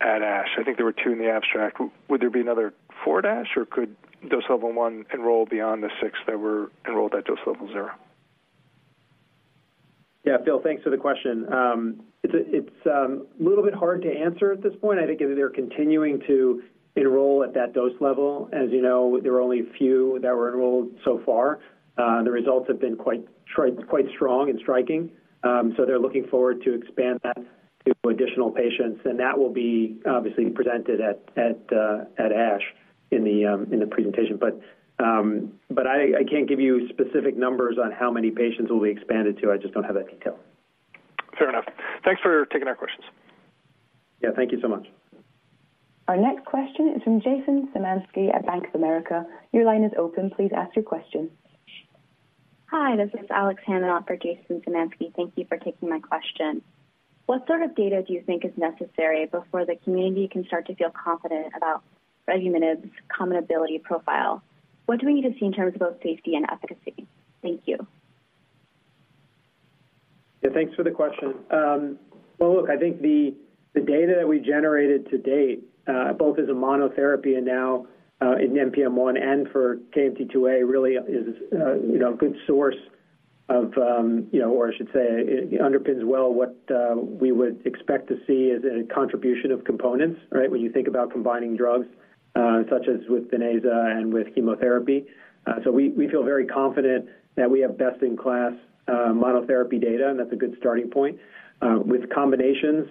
at ASH? I think there were 2 in the abstract. Would there be another 4 at ASH, or could dose level 1 enroll beyond the 6 that were enrolled at dose level 0? Yeah. Phil, thanks for the question. It's a little bit hard to answer at this point. I think they're continuing to enroll at that dose level. As you know, there were only a few that were enrolled so far. The results have been quite, quite strong and striking. So they're looking forward to expand that to additional patients, and that will be obviously presented at ASH in the presentation. But I can't give you specific numbers on how many patients will be expanded to. I just don't have that detail. Fair enough. Thanks for taking our questions.... Yeah, thank you so much. Our next question is from Jason Zemansky at Bank of America. Your line is open. Please ask your question. Hi, this is Alexa on forJason Zemansky. Thank you for taking my question. What sort of data do you think is necessary before the community can start to feel confident about revumenib's combinability profile? What do we need to see in terms of both safety and efficacy? Thank you. Yeah, thanks for the question. Well, look, I think the, the data that we generated to date, both as a monotherapy and now, in NPM1 and for KMT2A, really is, you know, a good source of, you know, or I should say, it underpins well what, we would expect to see as a contribution of components, right? When you think about combining drugs, such as with Venclexta and with chemotherapy. So we, we feel very confident that we have best-in-class, monotherapy data, and that's a good starting point. With combinations,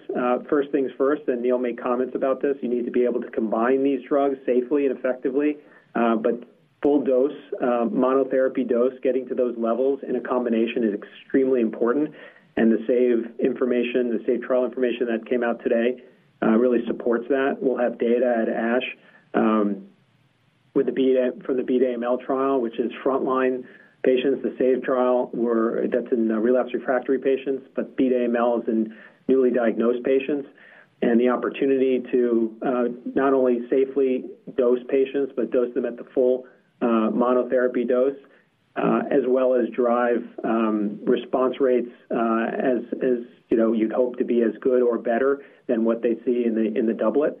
first things first, and Neil made comments about this, you need to be able to combine these drugs safely and effectively, but full dose, monotherapy dose, getting to those levels in a combination is extremely important, and the SAVE information, the SAVE trial information that came out today, really supports that. We'll have data at ASH, for the BEAT-AML trial, which is frontline patients. The SAVE trial. That's in relapsed refractory patients, but BEAT-AML is in newly diagnosed patients, and the opportunity to not only safely dose patients, but dose them at the full, monotherapy dose, as well as drive response rates, as you know, you'd hope to be as good or better than what they see in the doublet.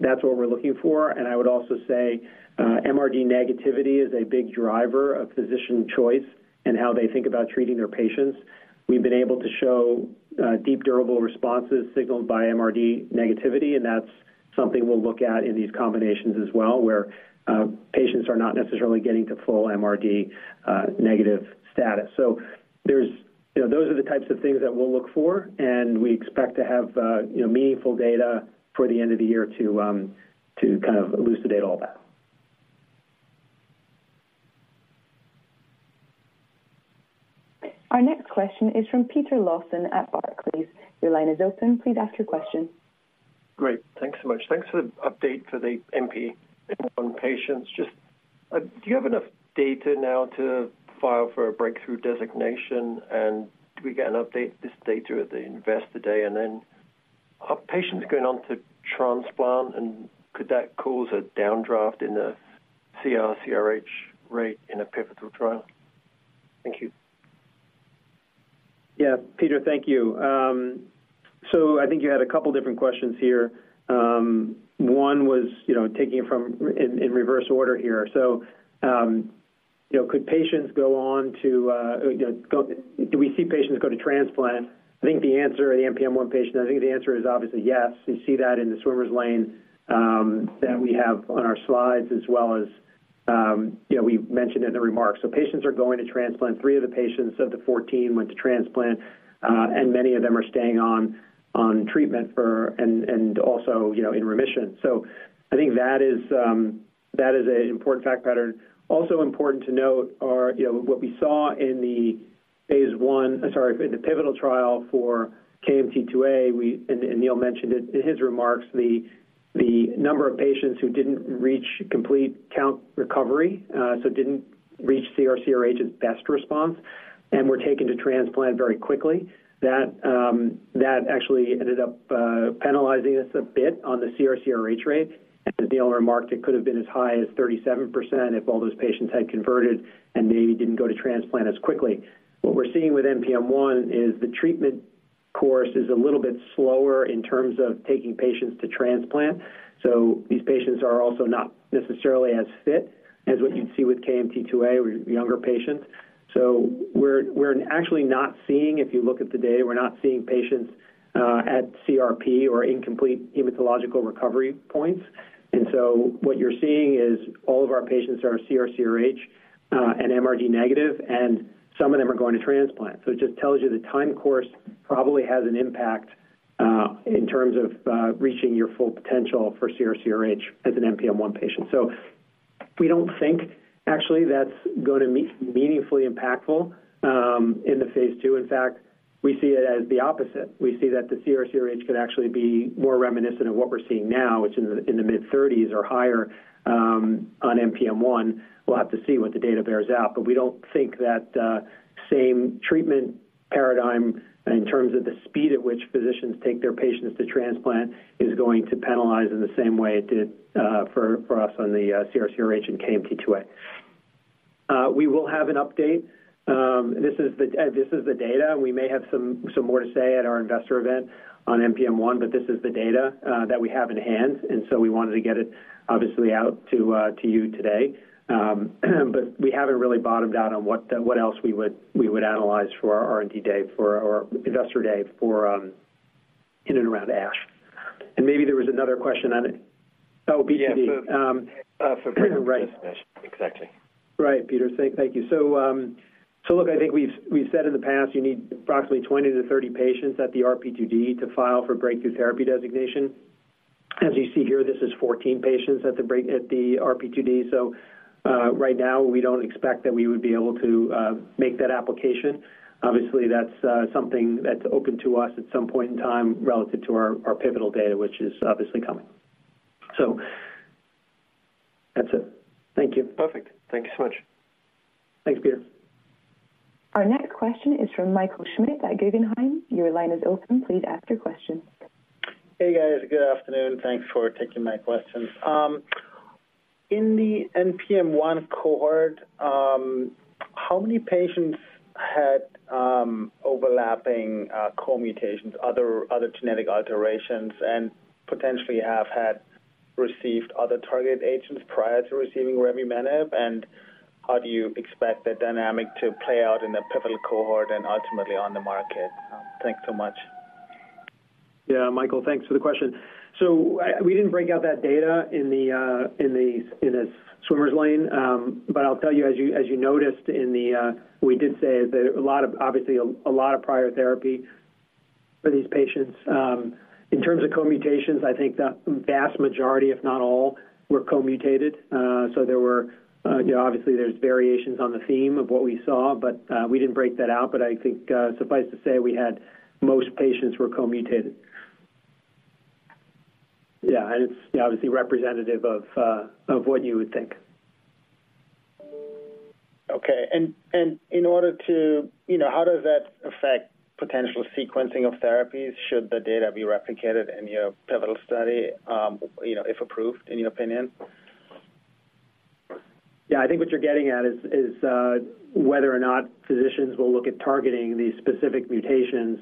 That's what we're looking for. And I would also say, MRD negativity is a big driver of physician choice and how they think about treating their patients. We've been able to show, deep, durable responses signaled by MRD negativity, and that's something we'll look at in these combinations as well, where, patients are not necessarily getting to full MRD, negative status. So there's, you know, those are the types of things that we'll look for, and we expect to have, you know, meaningful data for the end of the year to kind of elucidate all that. Our next question is from Peter Lawson at Barclays. Your line is open. Please ask your question. Great. Thanks so much. Thanks for the update for the NPM1 patients. Just, do you have enough data now to file for a breakthrough designation, and do we get an update this data at the Investor Day? And then, are patients going on to transplant, and could that cause a downdraft in the CR/CRh rate in a pivotal trial? Thank you. Yeah, Peter, thank you. So I think you had a couple different questions here. One was, you know, taking it from in reverse order here. So, you know, could patients go on to, you know, go—do we see patients go to transplant? I think the answer in the NPM1 patient, I think the answer is obviously yes. You see that in the swimmer's lane that we have on our slides, as well as, you know, we mentioned in the remarks. So patients are going to transplant. 3 of the patients of the 14 went to transplant, and many of them are staying on treatment for... And also, you know, in remission. So I think that is an important fact pattern. Also important to note are, you know, what we saw in the phase I, sorry, in the pivotal trial for KMT2A, and Neil mentioned it in his remarks, the number of patients who didn't reach complete count recovery, so didn't reach CR/CRh as best response and were taken to transplant very quickly. That actually ended up penalizing us a bit on the CR/CRh rate, and as Neil remarked, it could have been as high as 37% if all those patients had converted and maybe didn't go to transplant as quickly. What we're seeing with NPM1 is the treatment course is a little bit slower in terms of taking patients to transplant. So these patients are also not necessarily as fit as what you'd see with KMT2A, with younger patients. So we're, we're actually not seeing, if you look at the data, we're not seeing patients at CRp or incomplete hematological recovery points. And so what you're seeing is all of our patients are CR/CRh, and MRD negative, and some of them are going to transplant. So it just tells you the time course probably has an impact in terms of reaching your full potential for CR/CRh as an NPM1 patient. So we don't think actually that's going to be meaningfully impactful in the phase II. In fact, we see it as the opposite. We see that the CR/CRh could actually be more reminiscent of what we're seeing now, which in the mid-30s or higher on NPM1. We'll have to see what the data bears out, but we don't think that same treatment paradigm in terms of the speed at which physicians take their patients to transplant is going to penalize in the same way it did for us on the CRCRh and KMT2A. We will have an update. This is the data. We may have some more to say at our investor event on MPM-001, but this is the data that we have in hand, and so we wanted to get it obviously out to you today. We haven't really bottomed out on what else we would analyze for our R&D day, for our investor day, in and around ASH. Maybe there was another question on it. Oh, BTD. Yeah. Um, right. Exactly. Right, Peter. Thank you. So, so look, I think we've said in the past you need approximately 20-30 patients at the RP2D to file for breakthrough therapy designation. As you see here, this is 14 patients at the RP2D. So, right now, we don't expect that we would be able to make that application. Obviously, that's something that's open to us at some point in time relative to our pivotal data, which is obviously coming. So that's it. Thank you. Perfect. Thank you so much. Thanks, Peter. Our next question is from Michael Schmidt at Guggenheim. Your line is open. Please ask your question. Hey, guys. Good afternoon. Thanks for taking my questions. In the NPM1 cohort, how many patients had overlapping, uh, co-mutations, other, other genetic alterations, and potentially have had received other targeted agents prior to receiving revumenib? And how do you expect the dynamic to play out in the pivotal cohort and ultimately on the market? Thanks so much. Yeah, Michael, thanks for the question. So we didn't break out that data in the swimmer's lane. But I'll tell you, as you noticed, we did say that a lot of, obviously, prior therapy for these patients. In terms of co-mutations, I think the vast majority, if not all, were co-mutated. So there were, you know, obviously, variations on the theme of what we saw, but we didn't break that out. But I think, suffice to say, we had most patients were co-mutated. Yeah, and it's obviously representative of what you would think. Okay. And in order to... You know, how does that affect potential sequencing of therapies, should the data be replicated in your pivotal study, you know, if approved, in your opinion? Yeah, I think what you're getting at is whether or not physicians will look at targeting these specific mutations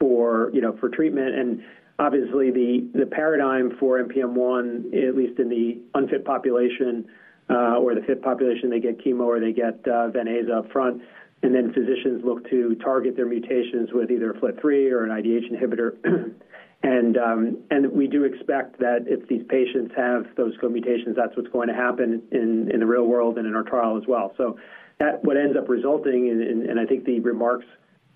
for, you know, for treatment. And obviously, the paradigm for NPM1, at least in the unfit population or the fit population, they get chemo or they get Venclexta up front, and then physicians look to target their mutations with either a FLT3 or an IDH inhibitor. And we do expect that if these patients have those co-mutations, that's what's going to happen in the real world and in our trial as well. So that what ends up resulting, and I think the remarks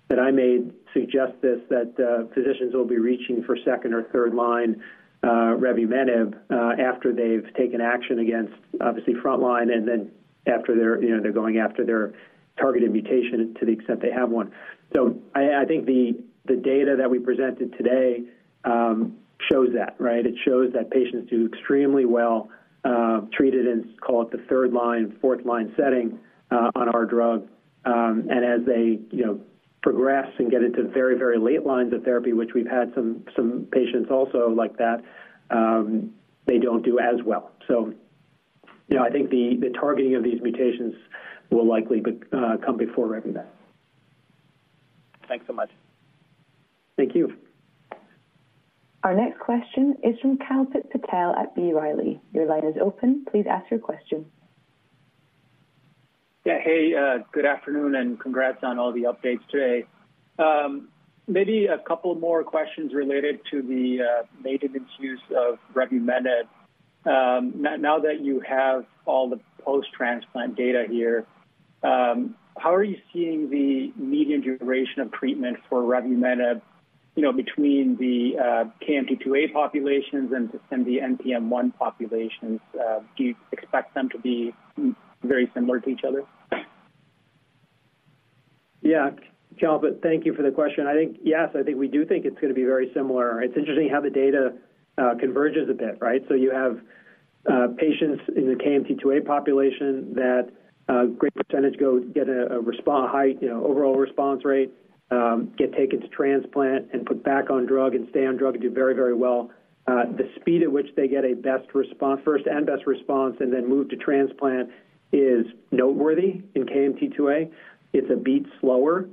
that I made suggest this, that physicians will be reaching for second- or third-line revumenib after they've taken action against, obviously, frontline, and then after their, you know, they're going after their targeted mutation to the extent they have one. So I think the data that we presented today shows that, right? It shows that patients do extremely well treated in, call it, the third-line, fourth-line setting on our drug. And as they, you know, progress and get into very, very late lines of therapy, which we've had some patients also like that, they don't do as well. So, you know, I think the targeting of these mutations will likely come before revumenib. Thanks so much. Thank you. Our next question is from Kalpit Patel at B. Riley. Your line is open. Please ask your question. Yeah. Hey, good afternoon, and congrats on all the updates today. Maybe a couple more questions related to the maintenance use of revumenib. Now, now that you have all the post-transplant data here, how are you seeing the median duration of treatment for revumenib, you know, between the KMT2A populations and the NPM1 populations? Do you expect them to be very similar to each other? Yeah, Kalpit, thank you for the question. I think, yes, I think we do think it's gonna be very similar. It's interesting how the data converges a bit, right? So you have patients in the KMT2A population that a great percentage go get a high, you know, overall response rate, get taken to transplant and put back on drug and stay on drug and do very, very well. The speed at which they get a best response, first and best response, and then move to transplant is noteworthy in KMT2A. It's a beat slower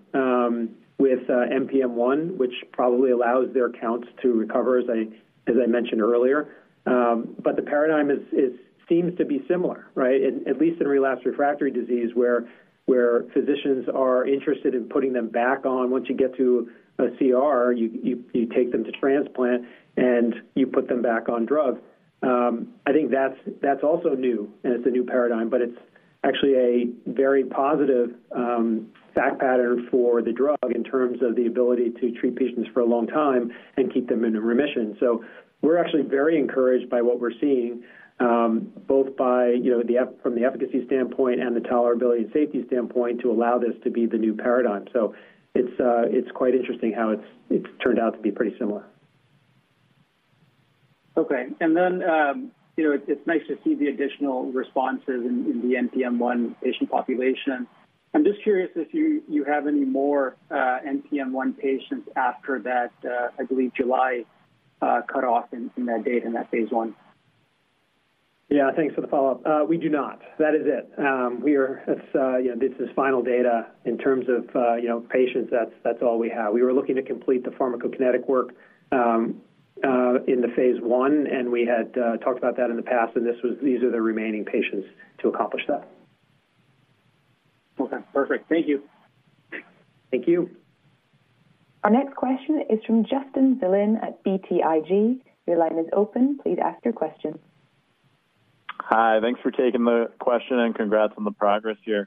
with NPM1, which probably allows their counts to recover, as I mentioned earlier. But the paradigm is, seems to be similar, right? At least in relapsed refractory disease, where physicians are interested in putting them back on. Once you get to a CR, you take them to transplant, and you put them back on drug. I think that's also new, and it's a new paradigm, but it's actually a very positive fact pattern for the drug in terms of the ability to treat patients for a long time and keep them in remission. So we're actually very encouraged by what we're seeing, both by, you know, the efficacy standpoint and the tolerability and safety standpoint, to allow this to be the new paradigm. So it's quite interesting how it's turned out to be pretty similar. Okay. And then, you know, it, it's nice to see the additional responses in the NPM1 patient population. I'm just curious if you have any more NPM1 patients after that, I believe July cutoff in that data in that phase 1. Yeah, thanks for the follow-up. We do not. That is it. We are, as you know, this is final data in terms of, you know, patients, that's, that's all we have. We were looking to complete the pharmacokinetic work in the phase one, and we had talked about that in the past, and this was... These are the remaining patients to accomplish that. Okay, perfect. Thank you. Thank you. Our next question is from Justin Zelin at BTIG. Your line is open. Please ask your question.... Hi, thanks for taking the question, and congrats on the progress here.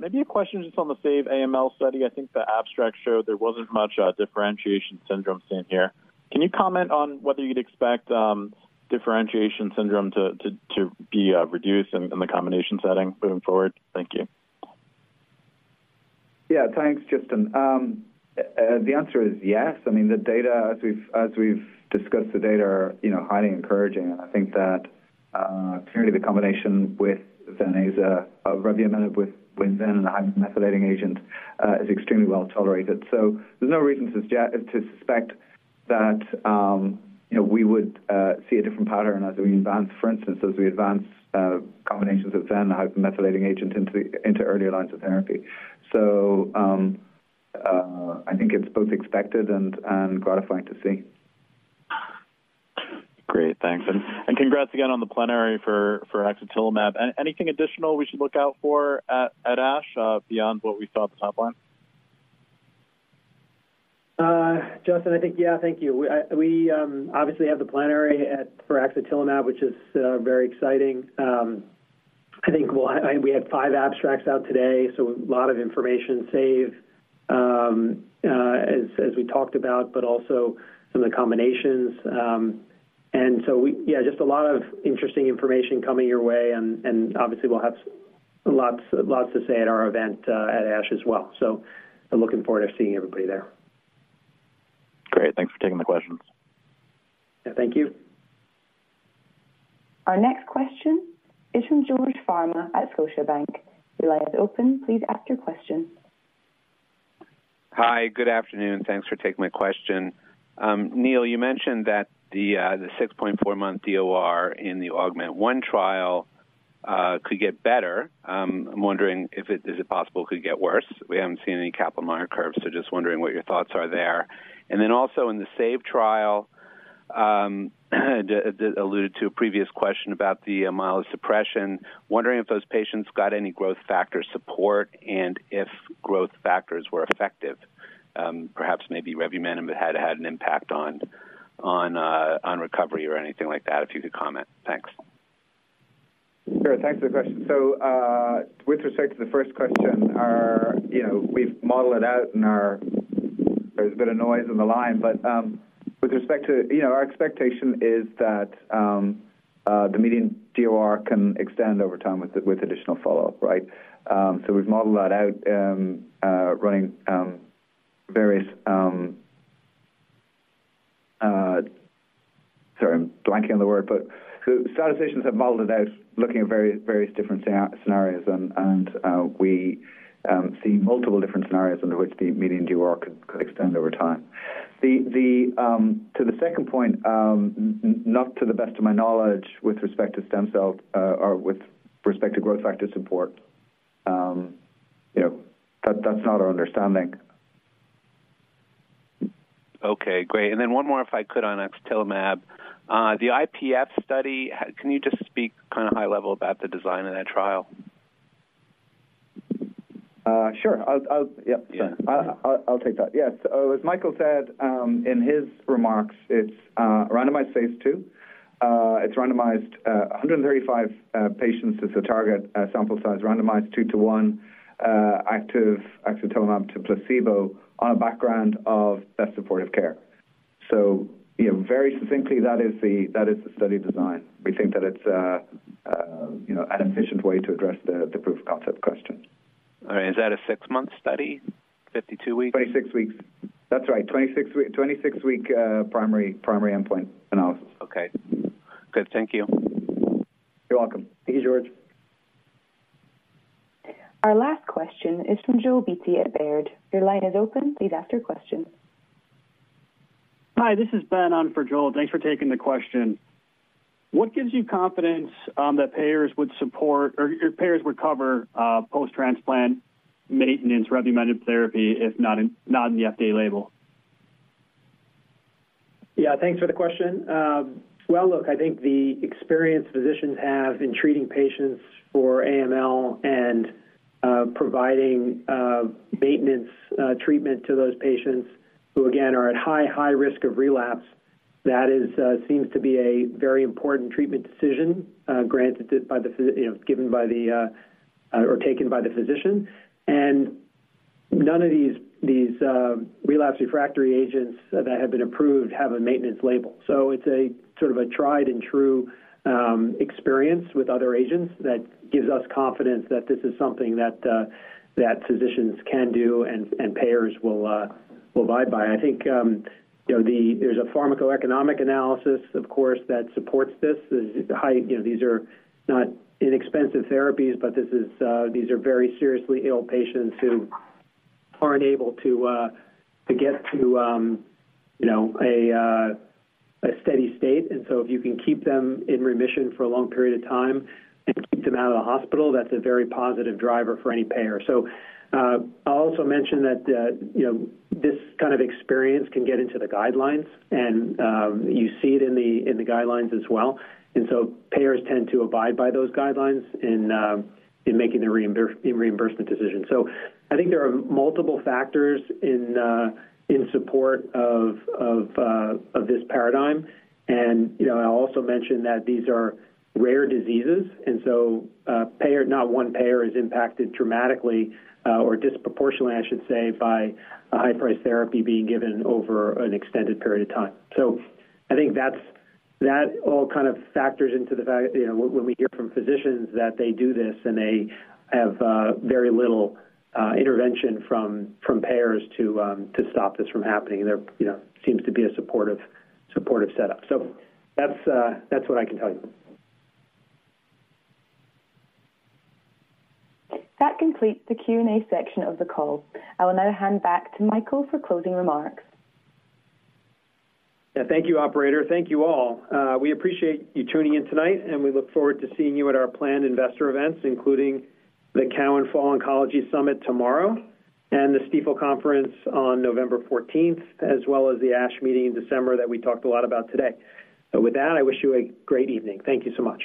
Maybe a question just on the SAVE AML study. I think the abstract showed there wasn't much differentiation syndrome seen here. Can you comment on whether you'd expect differentiation syndrome to be reduced in the combination setting moving forward? Thank you. Yeah, thanks, Justin. The answer is yes. I mean, the data as we've, as we've discussed, the data are, you know, highly encouraging, and I think that clearly the combination with Venclexta, revumenib with ven and the methylating agent is extremely well tolerated. So there's no reason to suspect that, you know, we would see a different pattern as we advance, for instance, as we advance combinations of ven, the methylating agent, into earlier lines of therapy. So I think it's both expected and gratifying to see. Great, thanks. And congrats again on the plenary for axatilimab. Anything additional we should look out for at ASH beyond what we saw at the top line? Justin, I think yeah, thank you. We obviously have the plenary for axatilimab, which is very exciting. I think we'll, we had five abstracts out today, so a lot of information, SAVE, as we talked about, but also some of the combinations. And so we... Yeah, just a lot of interesting information coming your way, and obviously, we'll have lots, lots to say at our event at ASH as well. So I'm looking forward to seeing everybody there. Great, thanks for taking the questions. Yeah, thank you. Our next question is from George Farmer at Scotiabank. Your line is open. Please ask your question. Hi, good afternoon, thanks for taking my question. Neil, you mentioned that the 6.4-month DOR in the AUGMENT-1 trial could get better. I'm wondering if it is it possible it could get worse? We haven't seen any Kaplan-Meier curves, so just wondering what your thoughts are there. And then also in the SAVE trial, the alluded to a previous question about the myelosuppression. Wondering if those patients got any growth factor support and if growth factors were effective, perhaps maybe revumenib had had an impact on on recovery or anything like that, if you could comment. Thanks. Sure. Thanks for the question. So, with respect to the first question, our, you know, we've modeled it out in our... There's a bit of noise on the line, but, with respect to, you know, our expectation is that, the median DOR can extend over time with, with additional follow-up, right? So we've modeled that out, running, various, sorry, I'm blanking on the word, but so statisticians have modeled it out, looking at various, various different scenarios, and, and, we, see multiple different scenarios under which the median DOR could, could extend over time. The, the, to the second point, not to the best of my knowledge with respect to stem cells, or with respect to growth factor support. You know, that, that's not our understanding. Okay, great. And then one more, if I could, on axatilimab. The IPF study, can you just speak kind of high level about the design of that trial? Sure. I'll take that. Yes. As Michael said, in his remarks, it's randomized phase 2. It's randomized, 135 patients. It's a target sample size, randomized 2 to 1, active axatilimab to placebo on a background of best supportive care. So, you know, very succinctly, that is the study design. We think that it's, you know, an efficient way to address the proof of concept question. All right. Is that a 6-month study? 52 weeks? 26 weeks. That's right, 26-week primary endpoint analysis. Okay, good. Thank you. You're welcome. Thank you, George. Our last question is from Joel Beatty at Baird. Your line is open. Please ask your question. Hi, this is Ben on for Joel. Thanks for taking the question. What gives you confidence that payers would support or payers would cover post-transplant maintenance revumenib therapy, if not in the FDA label? Yeah, thanks for the question. Well, look, I think the experience physicians have in treating patients for AML and providing maintenance treatment to those patients who, again, are at high, high risk of relapse, that is, seems to be a very important treatment decision, you know, given by the or taken by the physician. And none of these, these, relapse refractory agents that have been approved have a maintenance label. So it's a sort of a tried-and-true experience with other agents that gives us confidence that this is something that physicians can do and payers will abide by. I think, you know, there's a pharmacoeconomic analysis, of course, that supports this. The high, you know, these are not inexpensive therapies, but this is, these are very seriously ill patients who aren't able to get to, you know, a steady state. So if you can keep them in remission for a long period of time and keep them out of the hospital, that's a very positive driver for any payer. So, I'll also mention that, you know, this kind of experience can get into the guidelines, and, you see it in the guidelines as well. So payers tend to abide by those guidelines in, in making the reimbursement decisions. So I think there are multiple factors in support of this paradigm. You know, I'll also mention that these are rare diseases, and so payer, not one payer is impacted dramatically or disproportionately, I should say, by a high-price therapy being given over an extended period of time. So I think that's, that all kind of factors into the fact, you know, when we hear from physicians that they do this, and they have very little intervention from payers to stop this from happening, there you know seems to be a supportive setup. So that's what I can tell you. That completes the Q&A section of the call. I will now hand back to Michael for closing remarks. Yeah, thank you, operator. Thank you all. We appreciate you tuning in tonight, and we look forward to seeing you at our planned investor events, including the Cowen Fall Oncology Summit tomorrow and the Stifel Conference on November fourteenth, as well as the ASH meeting in December that we talked a lot about today. So with that, I wish you a great evening. Thank you so much.